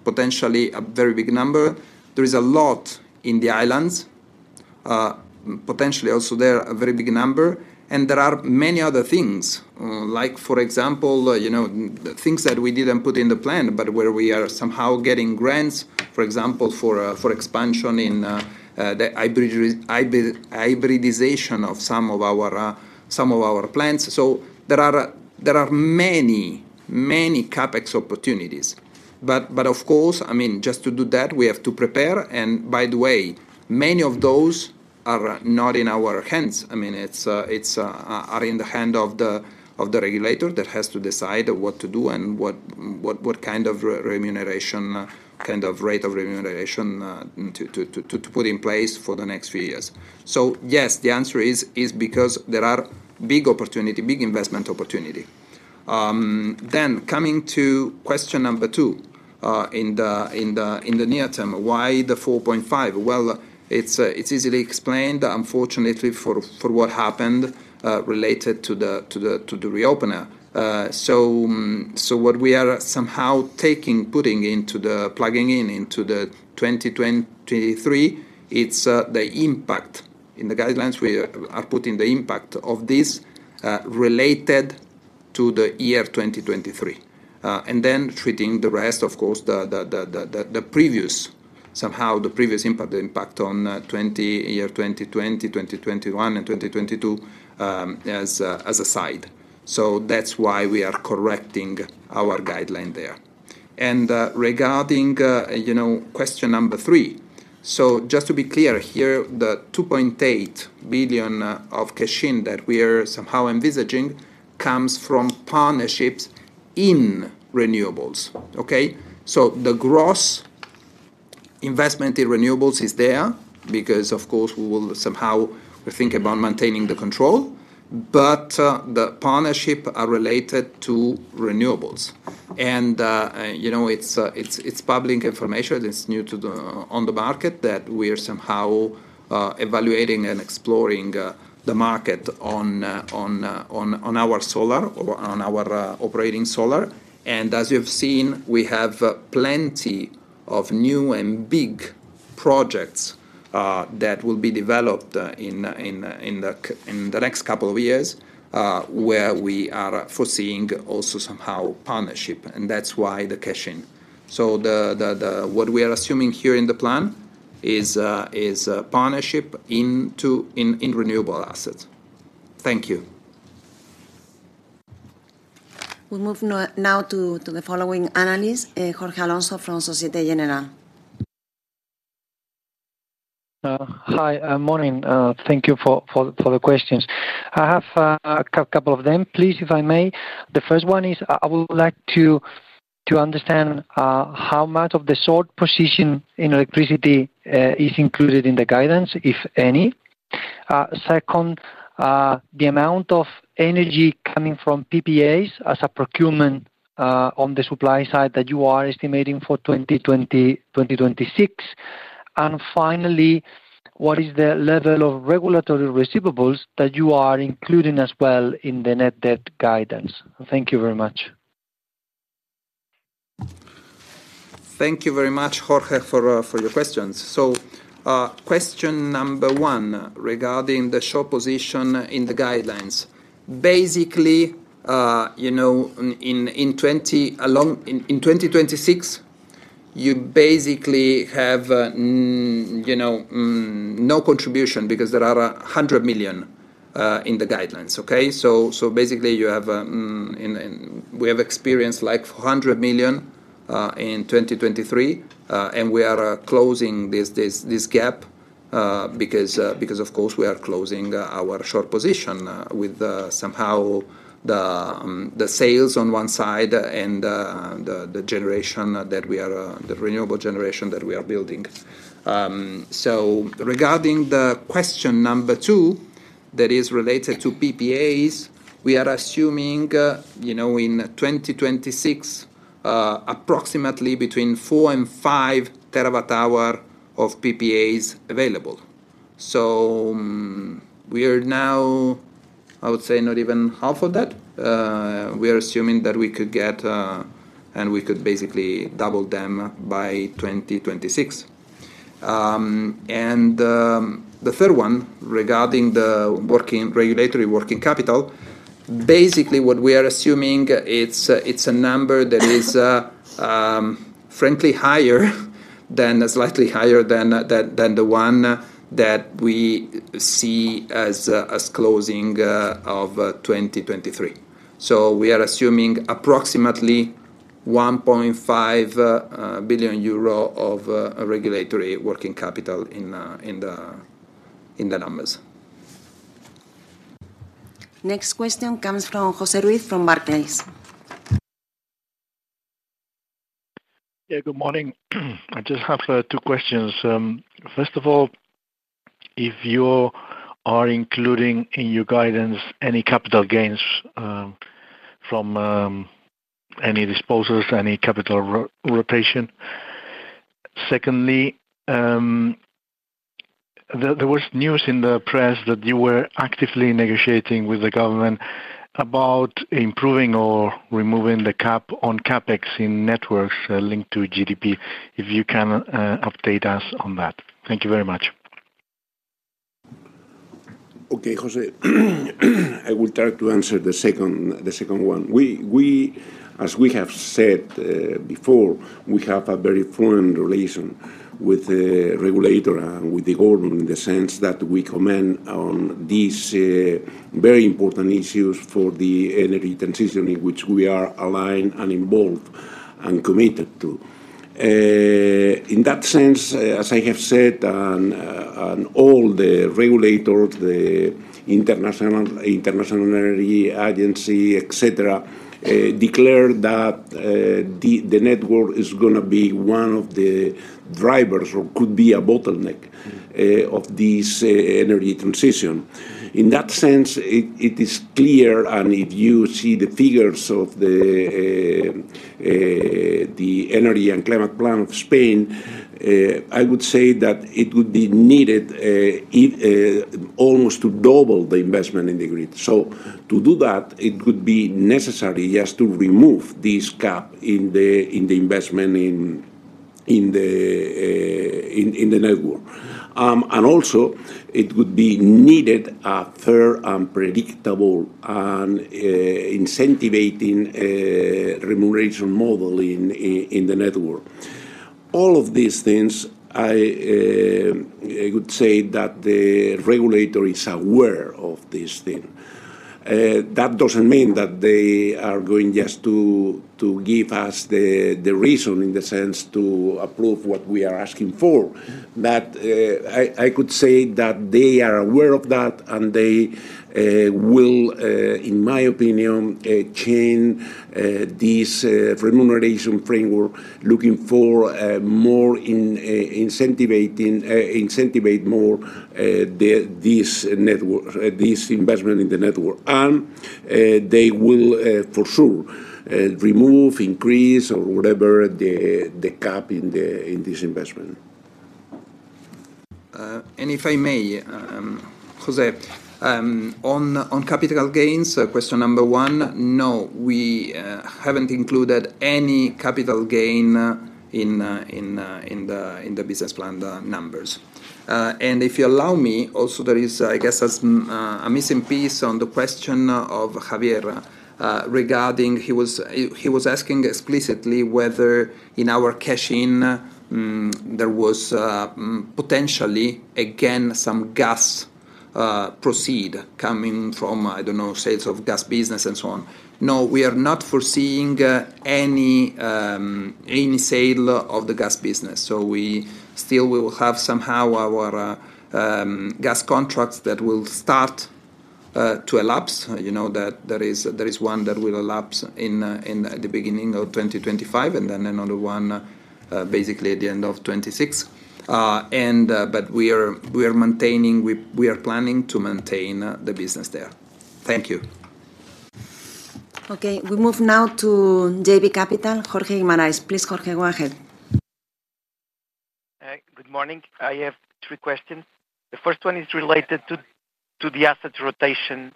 potentially a very big number. There is a lot in the islands, potentially also there a very big number, and there are many other things. Like for example, you know, things that we didn't put in the plan, but where we are somehow getting grants, for example, for expansion in the hybridization of some of our plants. So there are many, many CapEx opportunities. But of course, I mean, just to do that, we have to prepare, and by the way, many of those are not in our hands. I mean, it's are in the hand of the regulator that has to decide what to do and what kind of remuneration kind of rate of remuneration to put in place for the next few years. So, yes, the answer is because there are big opportunity, big investment opportunity. Then coming to question number two, in the near term, why the 4.5? Well, it's easily explained, unfortunately, for what happened related to the reopener. So what we are somehow taking, putting into the... Plugging in into the 2023, it's the impact. In the guidelines, we are putting the impact of this related to the year 2023, and then treating the rest, of course, the previous, somehow the previous impact, the impact on 2020, year 2020, 2021, and 2022, as a side. So that's why we are correcting our guideline there. And, regarding, you know, question number three, so just to be clear here, the 2.8 billion of cash in that we are somehow envisaging comes from partnerships in renewables, okay? So the gross investment in renewables is there because, of course, we will somehow think about maintaining the control, but the partnership are related to renewables. And, you know, it's public information, it's new to the market, that we are somehow evaluating and exploring the market on our solar or on our operating solar. And as you've seen, we have plenty of new and big projects that will be developed in the next couple of years, where we are foreseeing also somehow partnership, and that's why the cash in. So, what we are assuming here in the plan is partnership into renewable assets. Thank you. We move now to the following analyst, Jorge Alonso from Société Générale. Hi, morning. Thank you for the questions. I have a couple of them. Please, if I may. The first one is, I would like to understand how much of the short position in electricity is included in the guidance, if any? Second, the amount of energy coming from PPAs as a procurement on the supply side that you are estimating for 2020-2026. And finally, what is the level of regulatory receivables that you are including as well in the net debt guidance? Thank you very much. Thank you very much, Jorge, for your questions. So, question number one regarding the short position in the guidelines. Basically, you know, in 2026, you basically have no contribution because there are 100 million in the guidelines, okay? So, basically you have. We have experienced, like, 400 million in 2023, and we are closing this gap because, of course, we are closing our short position with somehow the sales on one side and the generation that we are, the renewable generation that we are building. So regarding the question number 2, that is related to PPAs, we are assuming, you know, in 2026, approximately between 4 and 5 TWh of PPAs available. So, we are now, I would say, not even half of that. We are assuming that we could get, and we could basically double them by 2026. The third one, regarding the regulatory working capital, basically what we are assuming, it's a, it's a number that is, frankly, higher than, slightly higher than, than the one that we see as, as closing, of, 2023. So we are assuming approximately 1.5 billion euro of regulatory working capital in, in the, in the numbers. Next question comes from Jose Ruiz from Barclays. Yeah, good morning. I just have two questions. First of all, if you are including in your guidance any capital gains from any disposals, any capital rotation? Secondly, there was news in the press that you were actively negotiating with the government about improving or removing the cap on CapEx in networks linked to GDP, if you can update us on that? Thank you very much. Okay, José, I will try to answer the second, the second one. We, we, as we have said, before, we have a very firm relation with the regulator and with the government, in the sense that we comment on these, very important issues for the energy transition in which we are aligned and involved and committed to. In that sense, as I have said, and, and all the regulators, the international, International Energy Agency, et cetera, declared that, the, the network is gonna be one of the drivers or could be a bottleneck, of this, energy transition. In that sense, it, it is clear, and if you see the figures of the, the, the energy and climate plan of Spain, I would say that it would be needed, it, almost to double the investment in the grid. So to do that, it would be necessary, yes, to remove this gap in the investment in the network. And also, it would be needed a fair and predictable and incentivizing remuneration model in the network. All of these things, I would say that the regulator is aware of this thing. That doesn't mean that they are going just to give us the reason in the sense to approve what we are asking for. But, I could say that they are aware of that, and they will, in my opinion, change this remuneration framework looking for more incentivizing incentivize more this network this investment in the network. They will, for sure, remove, increase, or whatever the, the cap in the, in this investment. If I may, José, on capital gains, so question number one, no, we haven't included any capital gain in the business plan numbers. And if you allow me, also, there is, I guess, a missing piece on the question of Javier regarding... He was asking explicitly whether in our cash-in there was potentially, again, some gas proceeds coming from, I don't know, sales of gas business and so on. No, we are not foreseeing any sale of the gas business, so we still will have somehow our gas contracts that will start to elapse. You know, that there is, there is one that will elapse in, in the beginning of 2025, and then another one, basically at the end of 2026. And, but we are, we are maintaining, we, we are planning to maintain, the business there. Thank you. Okay, we move now to JB Capital, Jorge Guimarães. Please, Jorge, go ahead. Good morning. I have three questions. The first one is related to the asset rotation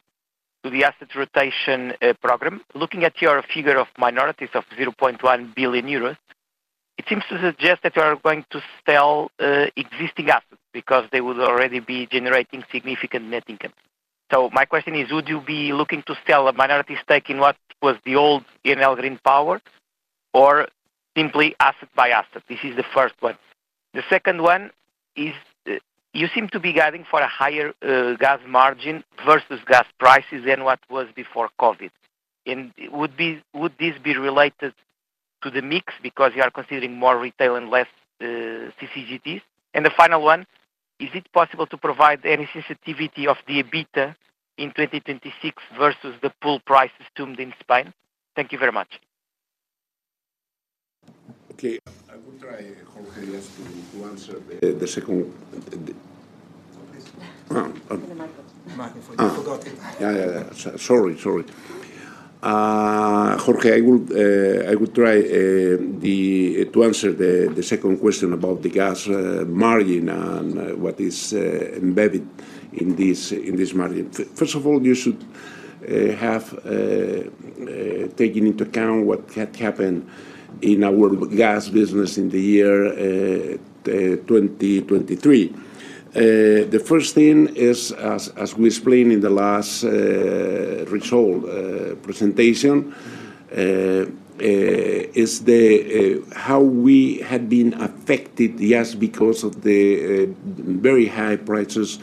program. Looking at your figure of minorities of 0.1 billion euros, it seems to suggest that you are going to sell existing assets because they would already be generating significant net income. So my question is: would you be looking to sell a minority stake in what was the old Enel Green Power, or simply asset by asset? This is the first one. The second one is, you seem to be guiding for a higher gas margin versus gas prices than what was before COVID. And would be- would this be related to the mix because you are considering more retail and less CCGTs? The final one, is it possible to provide any sensitivity of the EBITDA in 2026 versus the pool price assumed in Spain? Thank you very much. Okay. I will try, Jorge, just to answer the second, the- The microphone. Microphone. I forgot it. Yeah, yeah. Sorry, sorry. Jorge, I will try to answer the second question about the gas margin and what is embedded in this margin. First of all, you should have taken into account what had happened in our gas business in the year 2023. The first thing is, as we explained in the last result presentation, is the how we had been affected, yes, because of the very high prices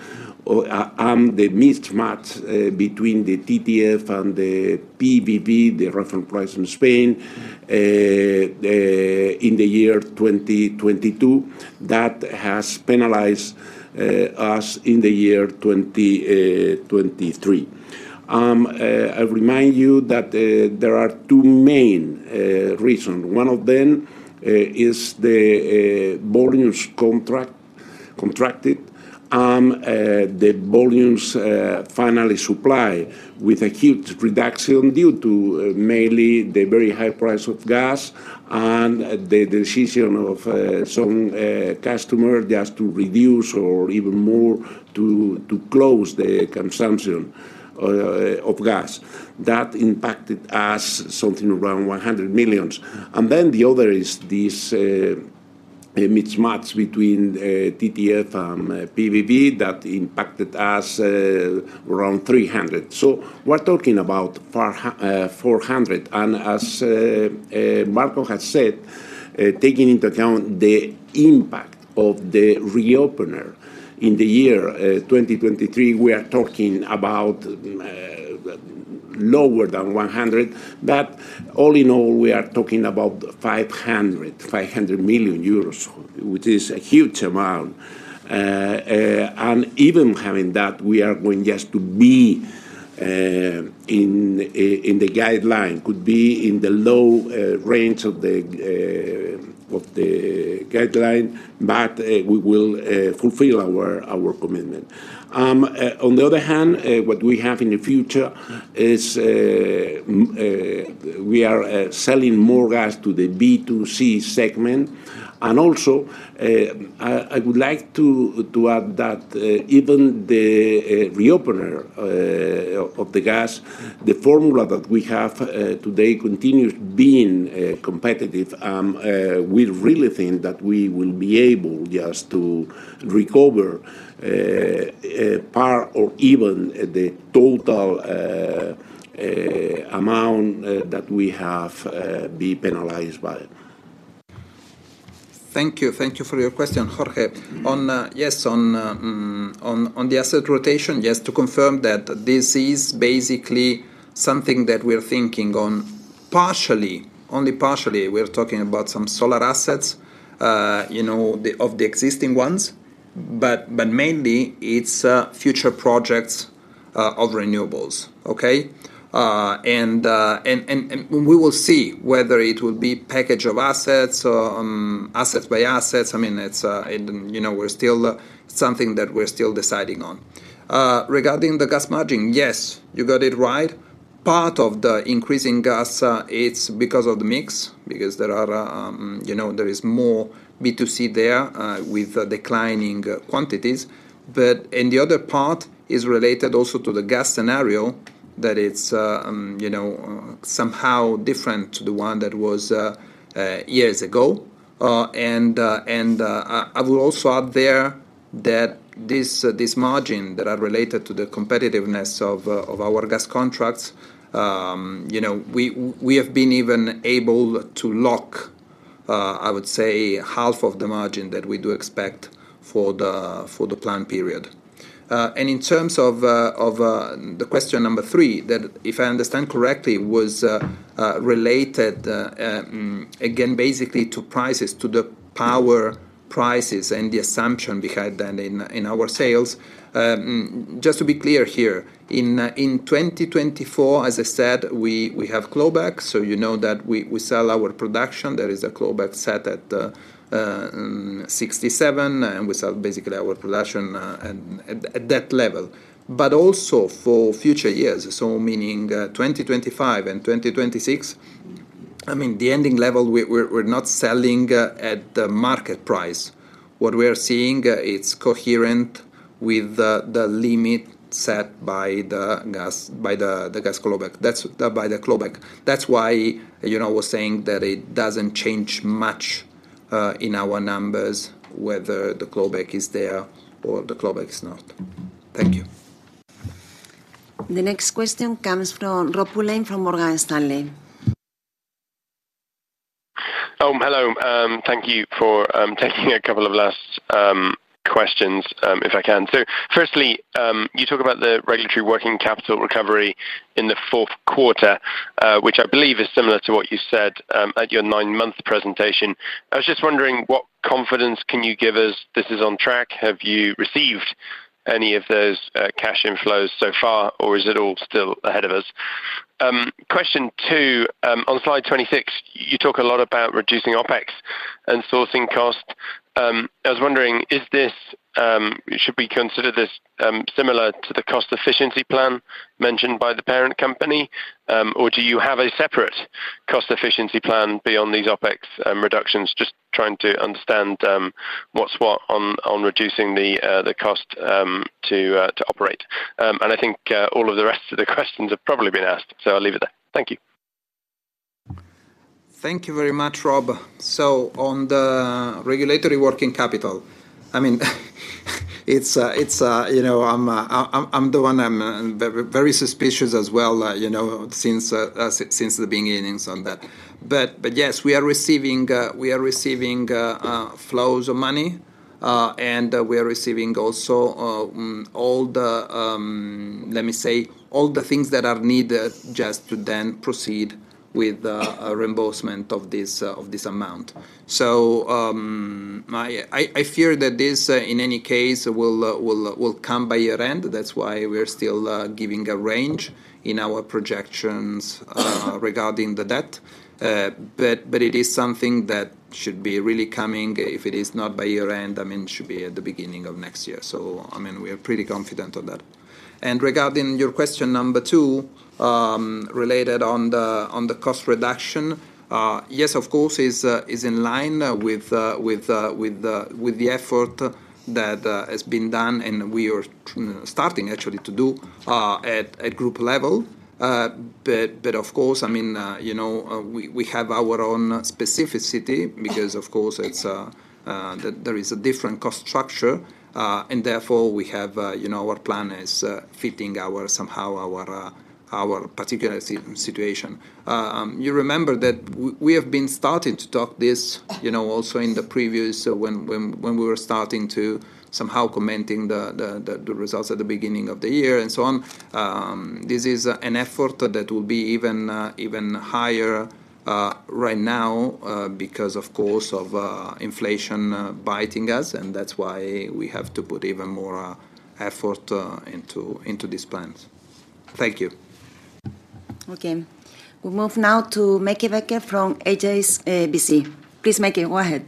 and the mismatch between the TTF and the PVB, the reference price in Spain, in the year 2022. That has penalized us in the year 2023. I remind you that there are two main reasons. One of them is the volumes contracted, and the volumes finally supply, with a huge reduction due to mainly the very high price of gas and the decision of some customer just to reduce or even more to close the consumption of gas. That impacted us something around 100 million. And then the other is this mismatch between TTF, PVB, that impacted us around 300 million. So we're talking about 400, and as Marco has said, taking into account the impact of the reopener in the year 2023, we are talking about lower than 100 million. But all in all, we are talking about 500, 500 million euros, which is a huge amount. Even having that, we are going just to be in the guideline. Could be in the low range of the guideline, but we will fulfill our commitment. On the other hand, what we have in the future is we are selling more gas to the B2C segment. And also, I would like to add that even the reopener of the gas, the formula that we have today continues being competitive. We really think that we will be able just to recover part or even the total amount that we have been penalized by it. Thank you. Thank you for your question, Jorge. On, yes, on the asset rotation, just to confirm that this is basically something that we're thinking on partially, only partially. We're talking about some solar assets, you know, the existing ones, but mainly it's future projects of renewables. Okay? And we will see whether it will be package of assets or assets by assets. I mean, it's, and you know, we're still something that we're still deciding on. Regarding the gas margin, yes, you got it right. Part of the increase in gas, it's because of the mix, because there are, you know, there is more B2C there, with declining quantities. But, and the other part is related also to the gas scenario, that it's, you know, somehow different to the one that was years ago. And, I will also add there that this margin that are related to the competitiveness of our gas contracts, you know, we have been even able to lock, I would say, half of the margin that we do expect for the plan period. And in terms of the question number three, that, if I understand correctly, was related again, basically to prices, to the power prices and the assumption behind that in our sales. Just to be clear here, in 2024, as I said, we have clawback, so you know that we sell our production. There is a clawback set at 67, and we sell basically our production, and at that level. But also for future years, so meaning 2025 and 2026, I mean, the ending level, we're not selling at the market price. What we are seeing, it's coherent with the limit set by the gas, by the gas clawback. That's by the clawback. That's why, you know, I was saying that it doesn't change much in our numbers, whether the clawback is there or the clawback is not. Thank you. The next question comes from Rob Pulleyn from Morgan Stanley. Hello. Thank you for taking a couple of last questions, if I can. So firstly, you talk about the regulatory working capital recovery in the fourth quarter, which I believe is similar to what you said at your nine-month presentation. I was just wondering, what confidence can you give us this is on track? Have you received any of those cash inflows so far, or is it all still ahead of us? Question two, on slide 26, you talk a lot about reducing OpEx and sourcing cost. I was wondering, is this... Should we consider this similar to the cost efficiency plan mentioned by the parent company, or do you have a separate cost efficiency plan beyond these OpEx reductions? Just trying to understand what's what on reducing the cost to operate. I think all of the rest of the questions have probably been asked, so I'll leave it there. Thank you. Thank you very much, Rob. So on the regulatory working capital, I mean, it's, it's, you know, I'm, I'm the one I'm, very, very suspicious as well, you know, since, since the beginning on that. But, but yes, we are receiving, we are receiving, flows of money.... and we are receiving also, let me say, all the things that are needed just to then proceed with a reimbursement of this amount. So, I fear that this, in any case, will come by year-end. That's why we're still giving a range in our projections regarding the debt. But it is something that should be really coming. If it is not by year-end, I mean, it should be at the beginning of next year. So I mean, we are pretty confident on that. Regarding your question number two, related on the cost reduction, yes, of course, is in line with the effort that has been done, and we are starting actually to do at group level. But of course, I mean, you know, we have our own specificity because, of course, there is a different cost structure, and therefore we have you know, our plan is fitting our somehow our particular situation. You remember that we have been starting to talk this, you know, also in the previous, when we were starting to somehow commenting the results at the beginning of the year and so on. This is an effort that will be even higher right now, because, of course, of inflation biting us, and that's why we have to put even more effort into these plans. Thank you. Okay. We move now to Maike Becker from HSBC. Please, Maike, go ahead.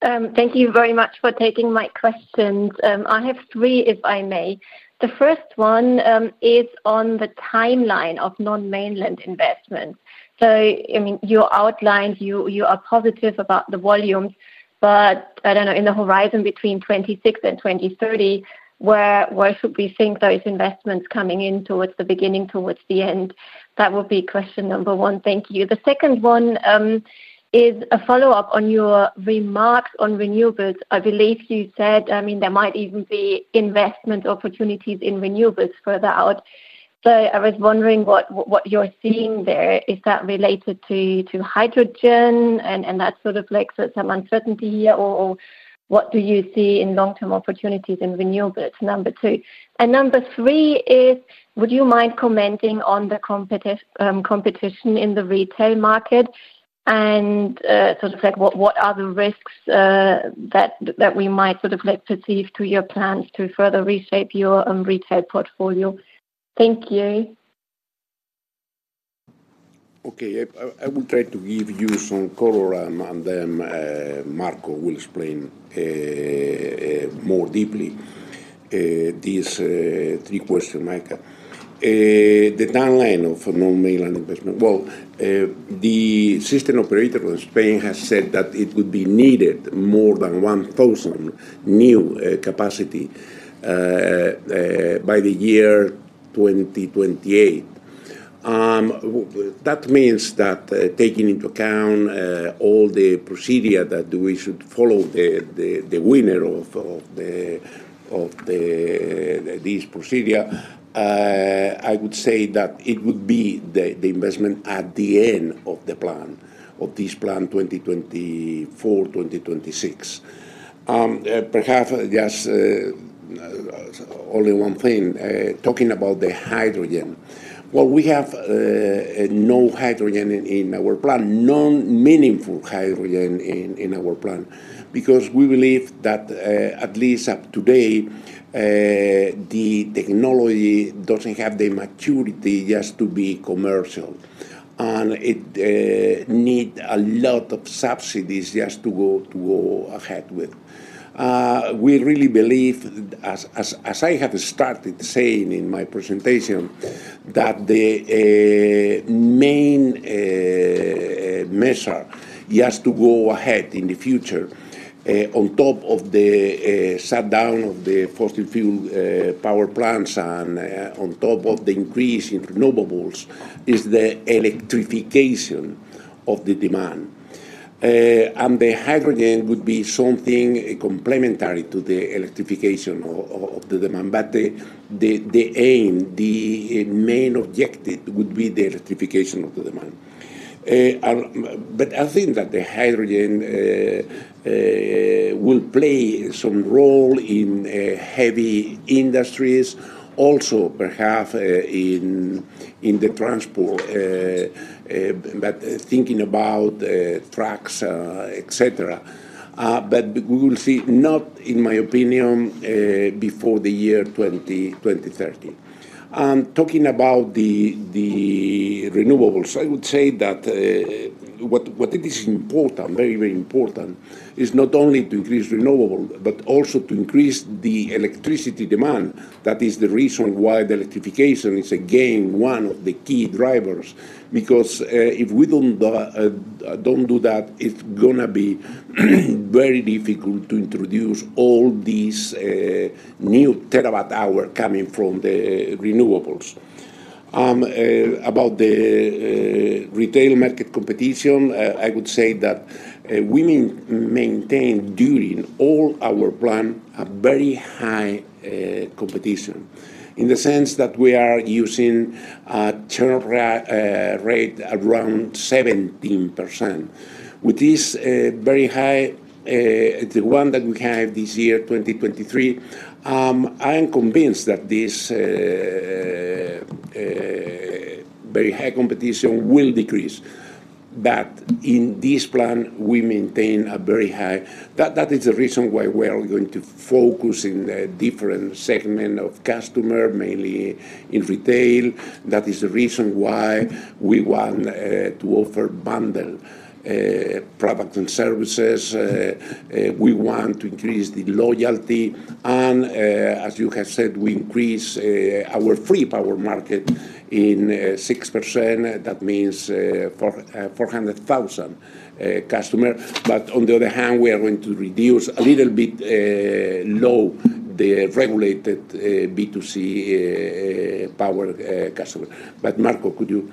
Thank you very much for taking my questions. I have three, if I may. The first one is on the timeline of non-mainland investment. So, I mean, you outlined you, you are positive about the volumes, but I don't know, in the horizon between 2026 and 2030, where, where should we think those investments coming in towards the beginning, towards the end? That would be question number one. Thank you. The second one is a follow-up on your remarks on renewables. I believe you said, I mean, there might even be investment opportunities in renewables further out. So I was wondering what, what you're seeing there. Is that related to, to hydrogen and, and that sort of like, some uncertainty here? Or, or what do you see in long-term opportunities in renewables? Number two. Number three is, would you mind commenting on the competition in the retail market and, sort of like, what are the risks that we might sort of like perceive to your plans to further reshape your retail portfolio? Thank you. Okay. I will try to give you some color, and then Marco will explain more deeply these three questions, Maike. The timeline of a non-mainland investment. Well, the system operator of Spain has said that it would be needed more than 1,000 new capacity by the year 2028. That means that, taking into account all the procedure that we should follow, the winner of these procedure, I would say that it would be the investment at the end of the plan, of this plan 2024, 2026. Perhaps just only one thing talking about the hydrogen. Well, we have no hydrogen in our plan, no meaningful hydrogen in our plan, because we believe that at least up today the technology doesn't have the maturity just to be commercial, and it need a lot of subsidies just to go, to go ahead with. We really believe, as I have started saying in my presentation, that the main measure just to go ahead in the future, on top of the shutdown of the fossil fuel power plants and on top of the increase in renewables, is the electrification of the demand. And the hydrogen would be something complementary to the electrification of the demand, but the aim, the main objective would be the electrification of the demand. But I think that the hydrogen will play some role in heavy industries, also perhaps in the transport, but thinking about trucks, etcetera. But we will see, not in my opinion before the year 2030. Talking about the renewables, I would say that what it is important, very, very important, is not only to increase renewable but also to increase the electricity demand. That is the reason why the electrification is, again, one of the key drivers. Because if we don't do that, it's gonna be very difficult to introduce all these new terawatt-hour coming from the renewables. about the retail market competition, I would say that we maintain during all our plan, a very high competition, in the sense that we are using a churn rate around 17%. With this very high, the one that we have this year, 2023, I am convinced that this very high competition will decrease. But in this plan, we maintain a very high. That is the reason why we are going to focus in the different segment of customer, mainly in retail. That is the reason why we want to offer bundle product and services. We want to increase the loyalty, and as you have said, we increase our free power market in 6%. That means four hundred thousand customer. But on the other hand, we are going to reduce a little bit lower the regulated B2C power customer. But Marco, could you?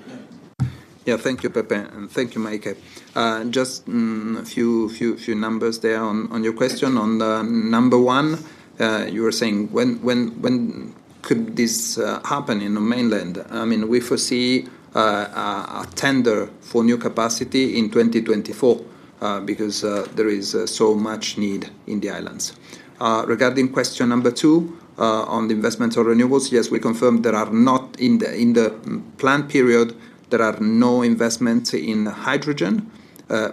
Yeah. Thank you, Pepe, and thank you, Maike. Just a few numbers there on your question. On number one, you were saying, "When could this happen in the mainland?" I mean, we foresee a tender for new capacity in 2024, because there is so much need in the islands. Regarding question number two, on the investments on renewables, yes, we confirm there are not in the plan period, there are no investments in hydrogen.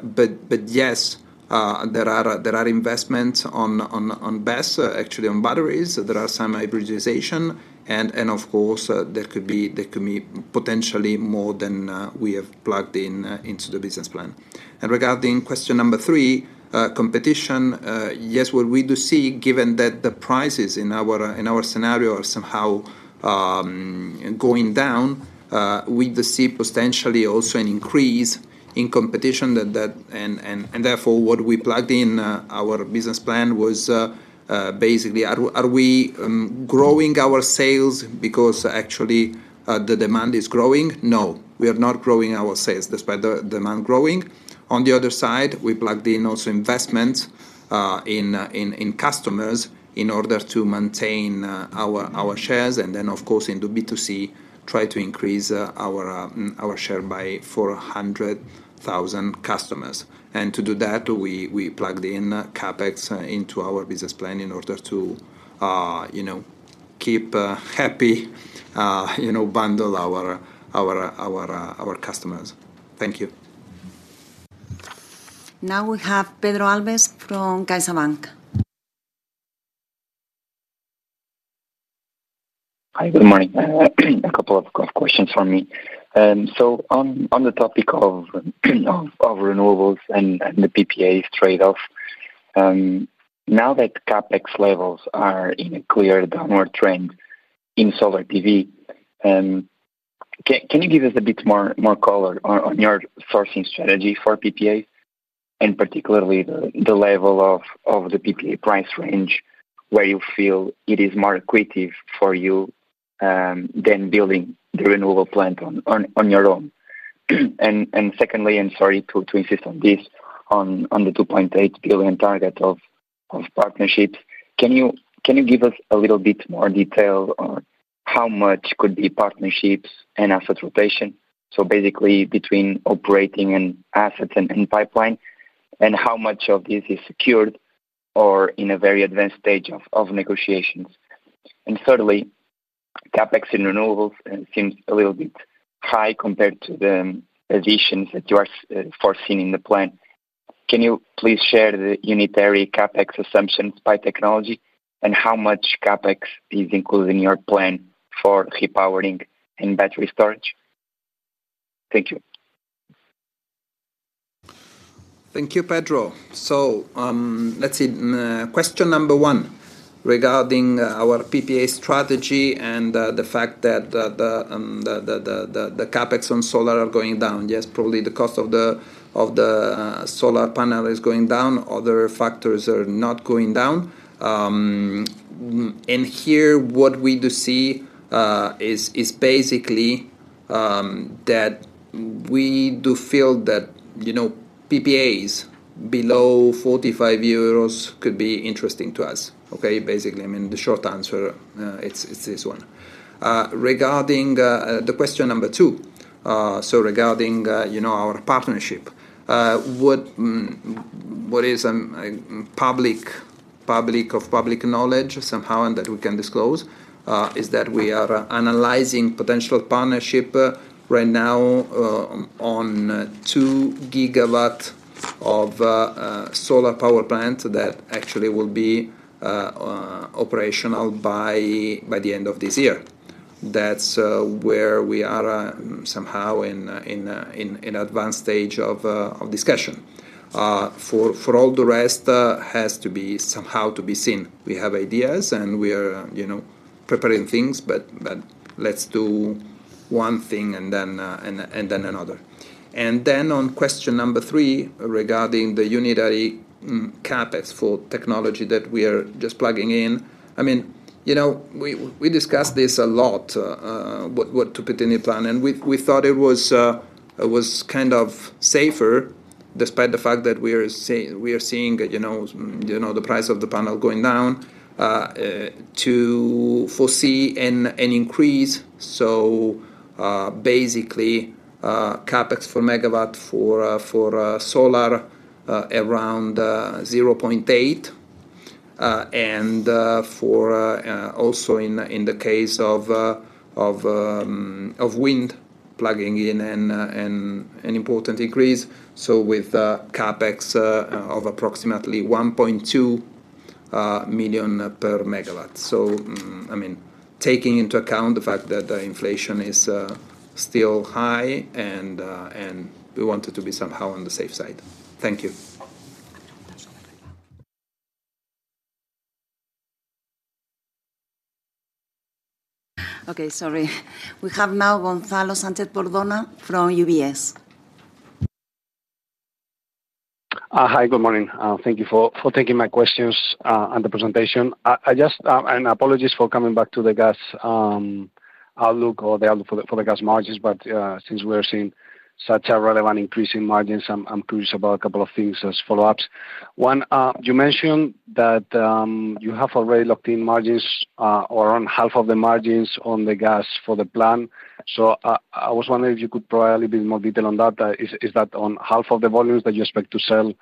But yes, there are investments on BESS, actually, on batteries. There are some hybridization, and of course, there could be potentially more than we have plugged in into the business plan. And regarding question number 3, competition, yes, what we do see, given that the prices in our scenario are somehow going down, we do see potentially also an increase in competition. And therefore, what we plugged in our business plan was basically, are we growing our sales because actually the demand is growing? No, we are not growing our sales despite the demand growing. On the other side, we plugged in also investment in customers in order to maintain our shares, and then, of course, in the B2C, try to increase our share by 400,000 customers. To do that, we plugged in CapEx into our business plan in order to, you know, keep happy, you know, bundle our customers. Thank you. Now we have Pedro Alves from CaixaBank. Hi, good morning. A couple of quick questions from me. So on the topic of renewables and the PPAs trade-off, now that CapEx levels are in a clear downward trend in solar PV, can you give us a bit more color on your sourcing strategy for PPA, and particularly the level of the PPA price range, where you feel it is more accretive for you than building the renewable plant on your own? Secondly, I'm sorry to insist on this, on the 2.8 billion target of partnerships, can you give us a little bit more detail on how much could be partnerships and asset rotation, so basically between operating and assets and pipeline, and how much of this is secured or in a very advanced stage of negotiations? And thirdly, CapEx in renewables seems a little bit high compared to the additions that you are foreseen in the plan. Can you please share the unitary CapEx assumptions by technology, and how much CapEx is included in your plan for repowering and battery storage? Thank you. Thank you, Pedro. So, let's see. Question number one, regarding, our PPA strategy and, the fact that, the CapEx on solar are going down. Yes, probably the cost of the solar panel is going down. Other factors are not going down. And here what we do see, is basically, that we do feel that, you know, PPAs below 45 euros could be interesting to us. Okay? Basically, I mean, the short answer, it's this one. Regarding the question number 2, so regarding, you know, our partnership, what is of public knowledge somehow, and that we can disclose is that we are analyzing potential partnership right now on 2 GW of solar power plant that actually will be operational by the end of this year. That's where we are somehow in advanced stage of discussion. For all the rest has to be somehow to be seen. We have ideas, and we are, you know, preparing things, but let's do one thing, and then another. And then on question number three, regarding the unitary CapEx for technology that we are just plugging in, I mean, you know, we discussed this a lot, what to put in the plan, and we thought it was kind of safer.... despite the fact that we are seeing the price of the panel going down to foresee an increase. So, basically, CapEx per megawatt for solar around 0.8. And for also in the case of wind, plugging in an important increase, so with CapEx of approximately 1.2 million per megawatt. So, I mean, taking into account the fact that inflation is still high, and we wanted to be somehow on the safe side. Thank you. Okay, sorry. We have now Gonzalo Sanchez-Bordona from UBS. Hi, good morning. Thank you for taking my questions and the presentation. I just... Apologies for coming back to the gas outlook or the outlook for the gas margins, but since we are seeing such a relevant increase in margins, I'm curious about a couple of things as follow-ups. One, you mentioned that you have already locked in margins or around half of the margins on the gas for the plan. So I was wondering if you could provide a little bit more detail on that. Is that on half of the volumes that you expect to sell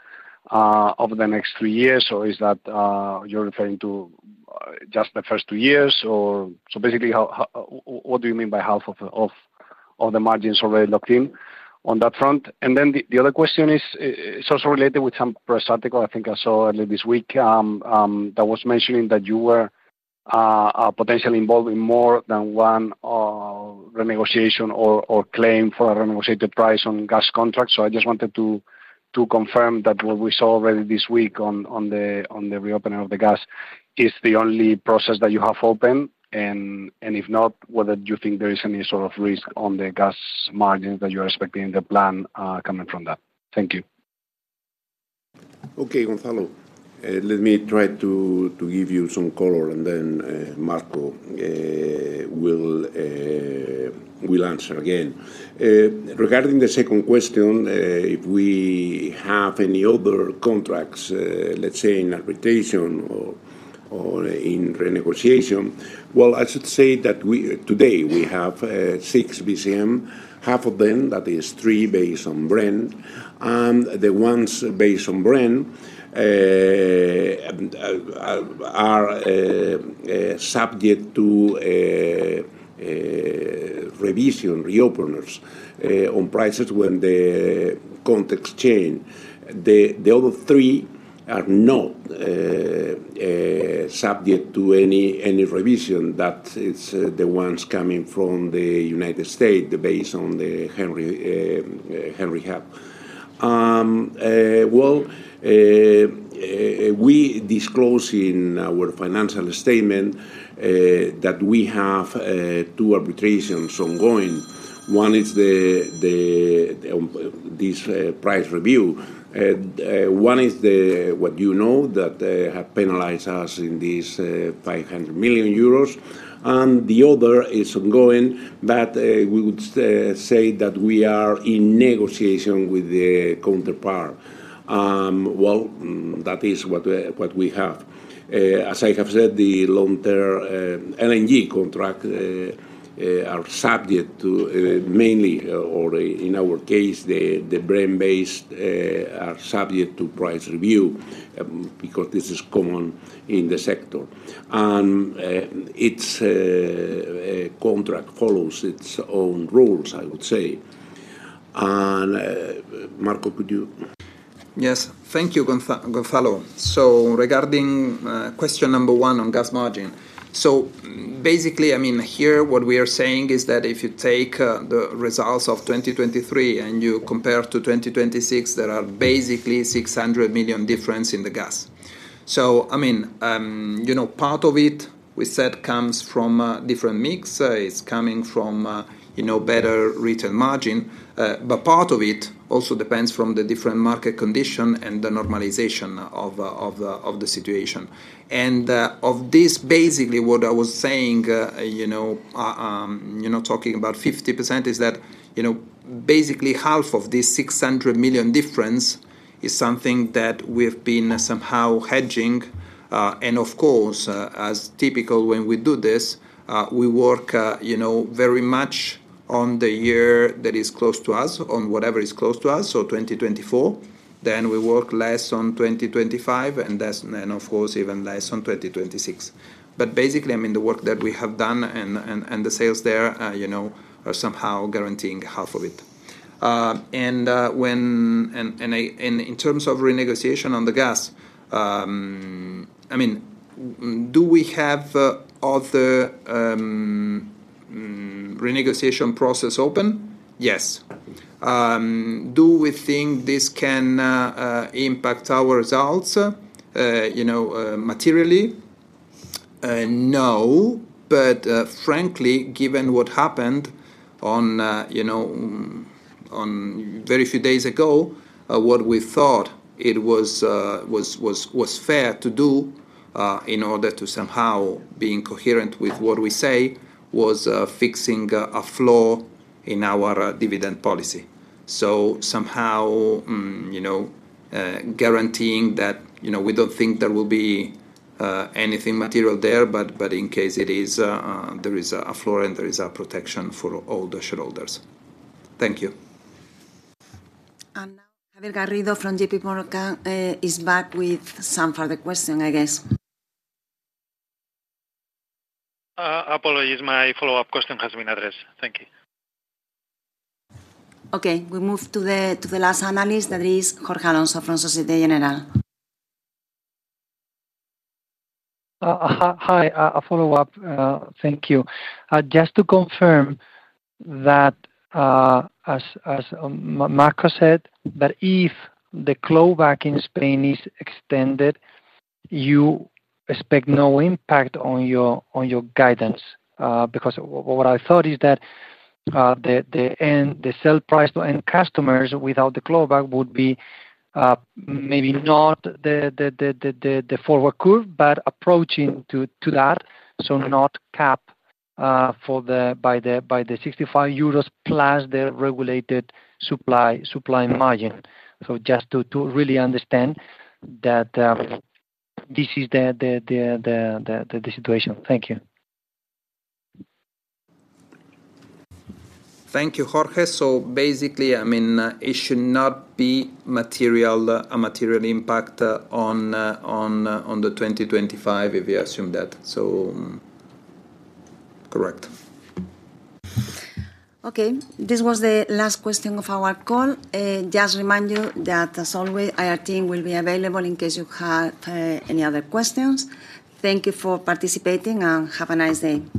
over the next three years, or is that you're referring to just the first two years? Or, So basically, what do you mean by half of the margins already locked in on that front? And then the other question is, it's also related with some press article I think I saw earlier this week that was mentioning that you were potentially involved in more than one renegotiation or claim for a renegotiated price on gas contracts. So I just wanted to confirm that what we saw already this week on the reopening of the gas is the only process that you have open, and if not, whether you think there is any sort of risk on the gas margins that you are expecting in the plan coming from that. Thank you. Okay, Gonzalo. Let me try to give you some color, and then Marco will answer again. Regarding the second question, if we have any other contracts, let's say, in arbitration or in renegotiation, well, I should say that we - today, we have 6 bcm. Half of them, that is three, based on Brent, and the ones based on Brent are subject to revision, reopeners on prices when the context change. The other three are not subject to any revision. That is the ones coming from the United States, based on the Henry Hub. Well, we disclose in our financial statement that we have two arbitrations ongoing. One is the this price review. One is the what you know, that they have penalized us in this 500 million euros, and the other is ongoing, but we would say that we are in negotiation with the counterpart. That is what we have. As I have said, the long-term LNG contract are subject to mainly, or in our case, the Brent-based are subject to price review because this is common in the sector. And its contract follows its own rules, I would say. And Marco, could you- Yes. Thank you, Gonzalo. So regarding question number one on gas margin, so basically, I mean, here, what we are saying is that if you take the results of 2023 and you compare to 2026, there are basically 600 million difference in the gas. So, I mean, you know, part of it, we said, comes from a different mix, it's coming from, you know, better return margin, but part of it also depends from the different market condition and the normalization of the situation. And of this, basically, what I was saying, you know, talking about 50%, is that, you know, basically, half of this 600 million difference is something that we've been somehow hedging. And of course, as typical when we do this, we work, you know, very much on the year that is close to us, on whatever is close to us, so 2024. Then we work less on 2025, and less, and of course, even less on 2026. But basically, I mean, the work that we have done and the sales there, you know, are somehow guaranteeing half of it. And in terms of renegotiation on the gas, I mean, do we have other renegotiation process open? Yes. Do we think this can impact our results, you know, materially? No, but frankly, given what happened on, you know, on very few days ago, what we thought it was was fair to do in order to somehow being coherent with what we say, was fixing a flaw in our dividend policy. So somehow, you know, guaranteeing that, you know, we don't think there will be anything material there, but in case it is, there is a floor and there is a protection for all the shareholders. Thank you. Now Garrido from JPMorgan is back with some further question, I guess. Apologies, my follow-up question has been addressed. Thank you. Okay, we move to the last analyst, that is Jorge Alonso from Société Générale. Hi, a follow-up, thank you. Just to confirm that, as Marco said, that if the clawback in Spain is extended, you expect no impact on your guidance? Because what I thought is that the end sell price to end customers without the clawback would be maybe not the forward curve, but approaching to that, so not cap for the by the 65 euros plus the regulated supply margin. So just to really understand that, this is the situation. Thank you. Thank you, Jorge. So basically, I mean, it should not be material, a material impact, on the 2025 if we assume that. So, correct. Okay, this was the last question of our call. Just remind you that, as always, our team will be available in case you have any other questions. Thank you for participating, and have a nice day.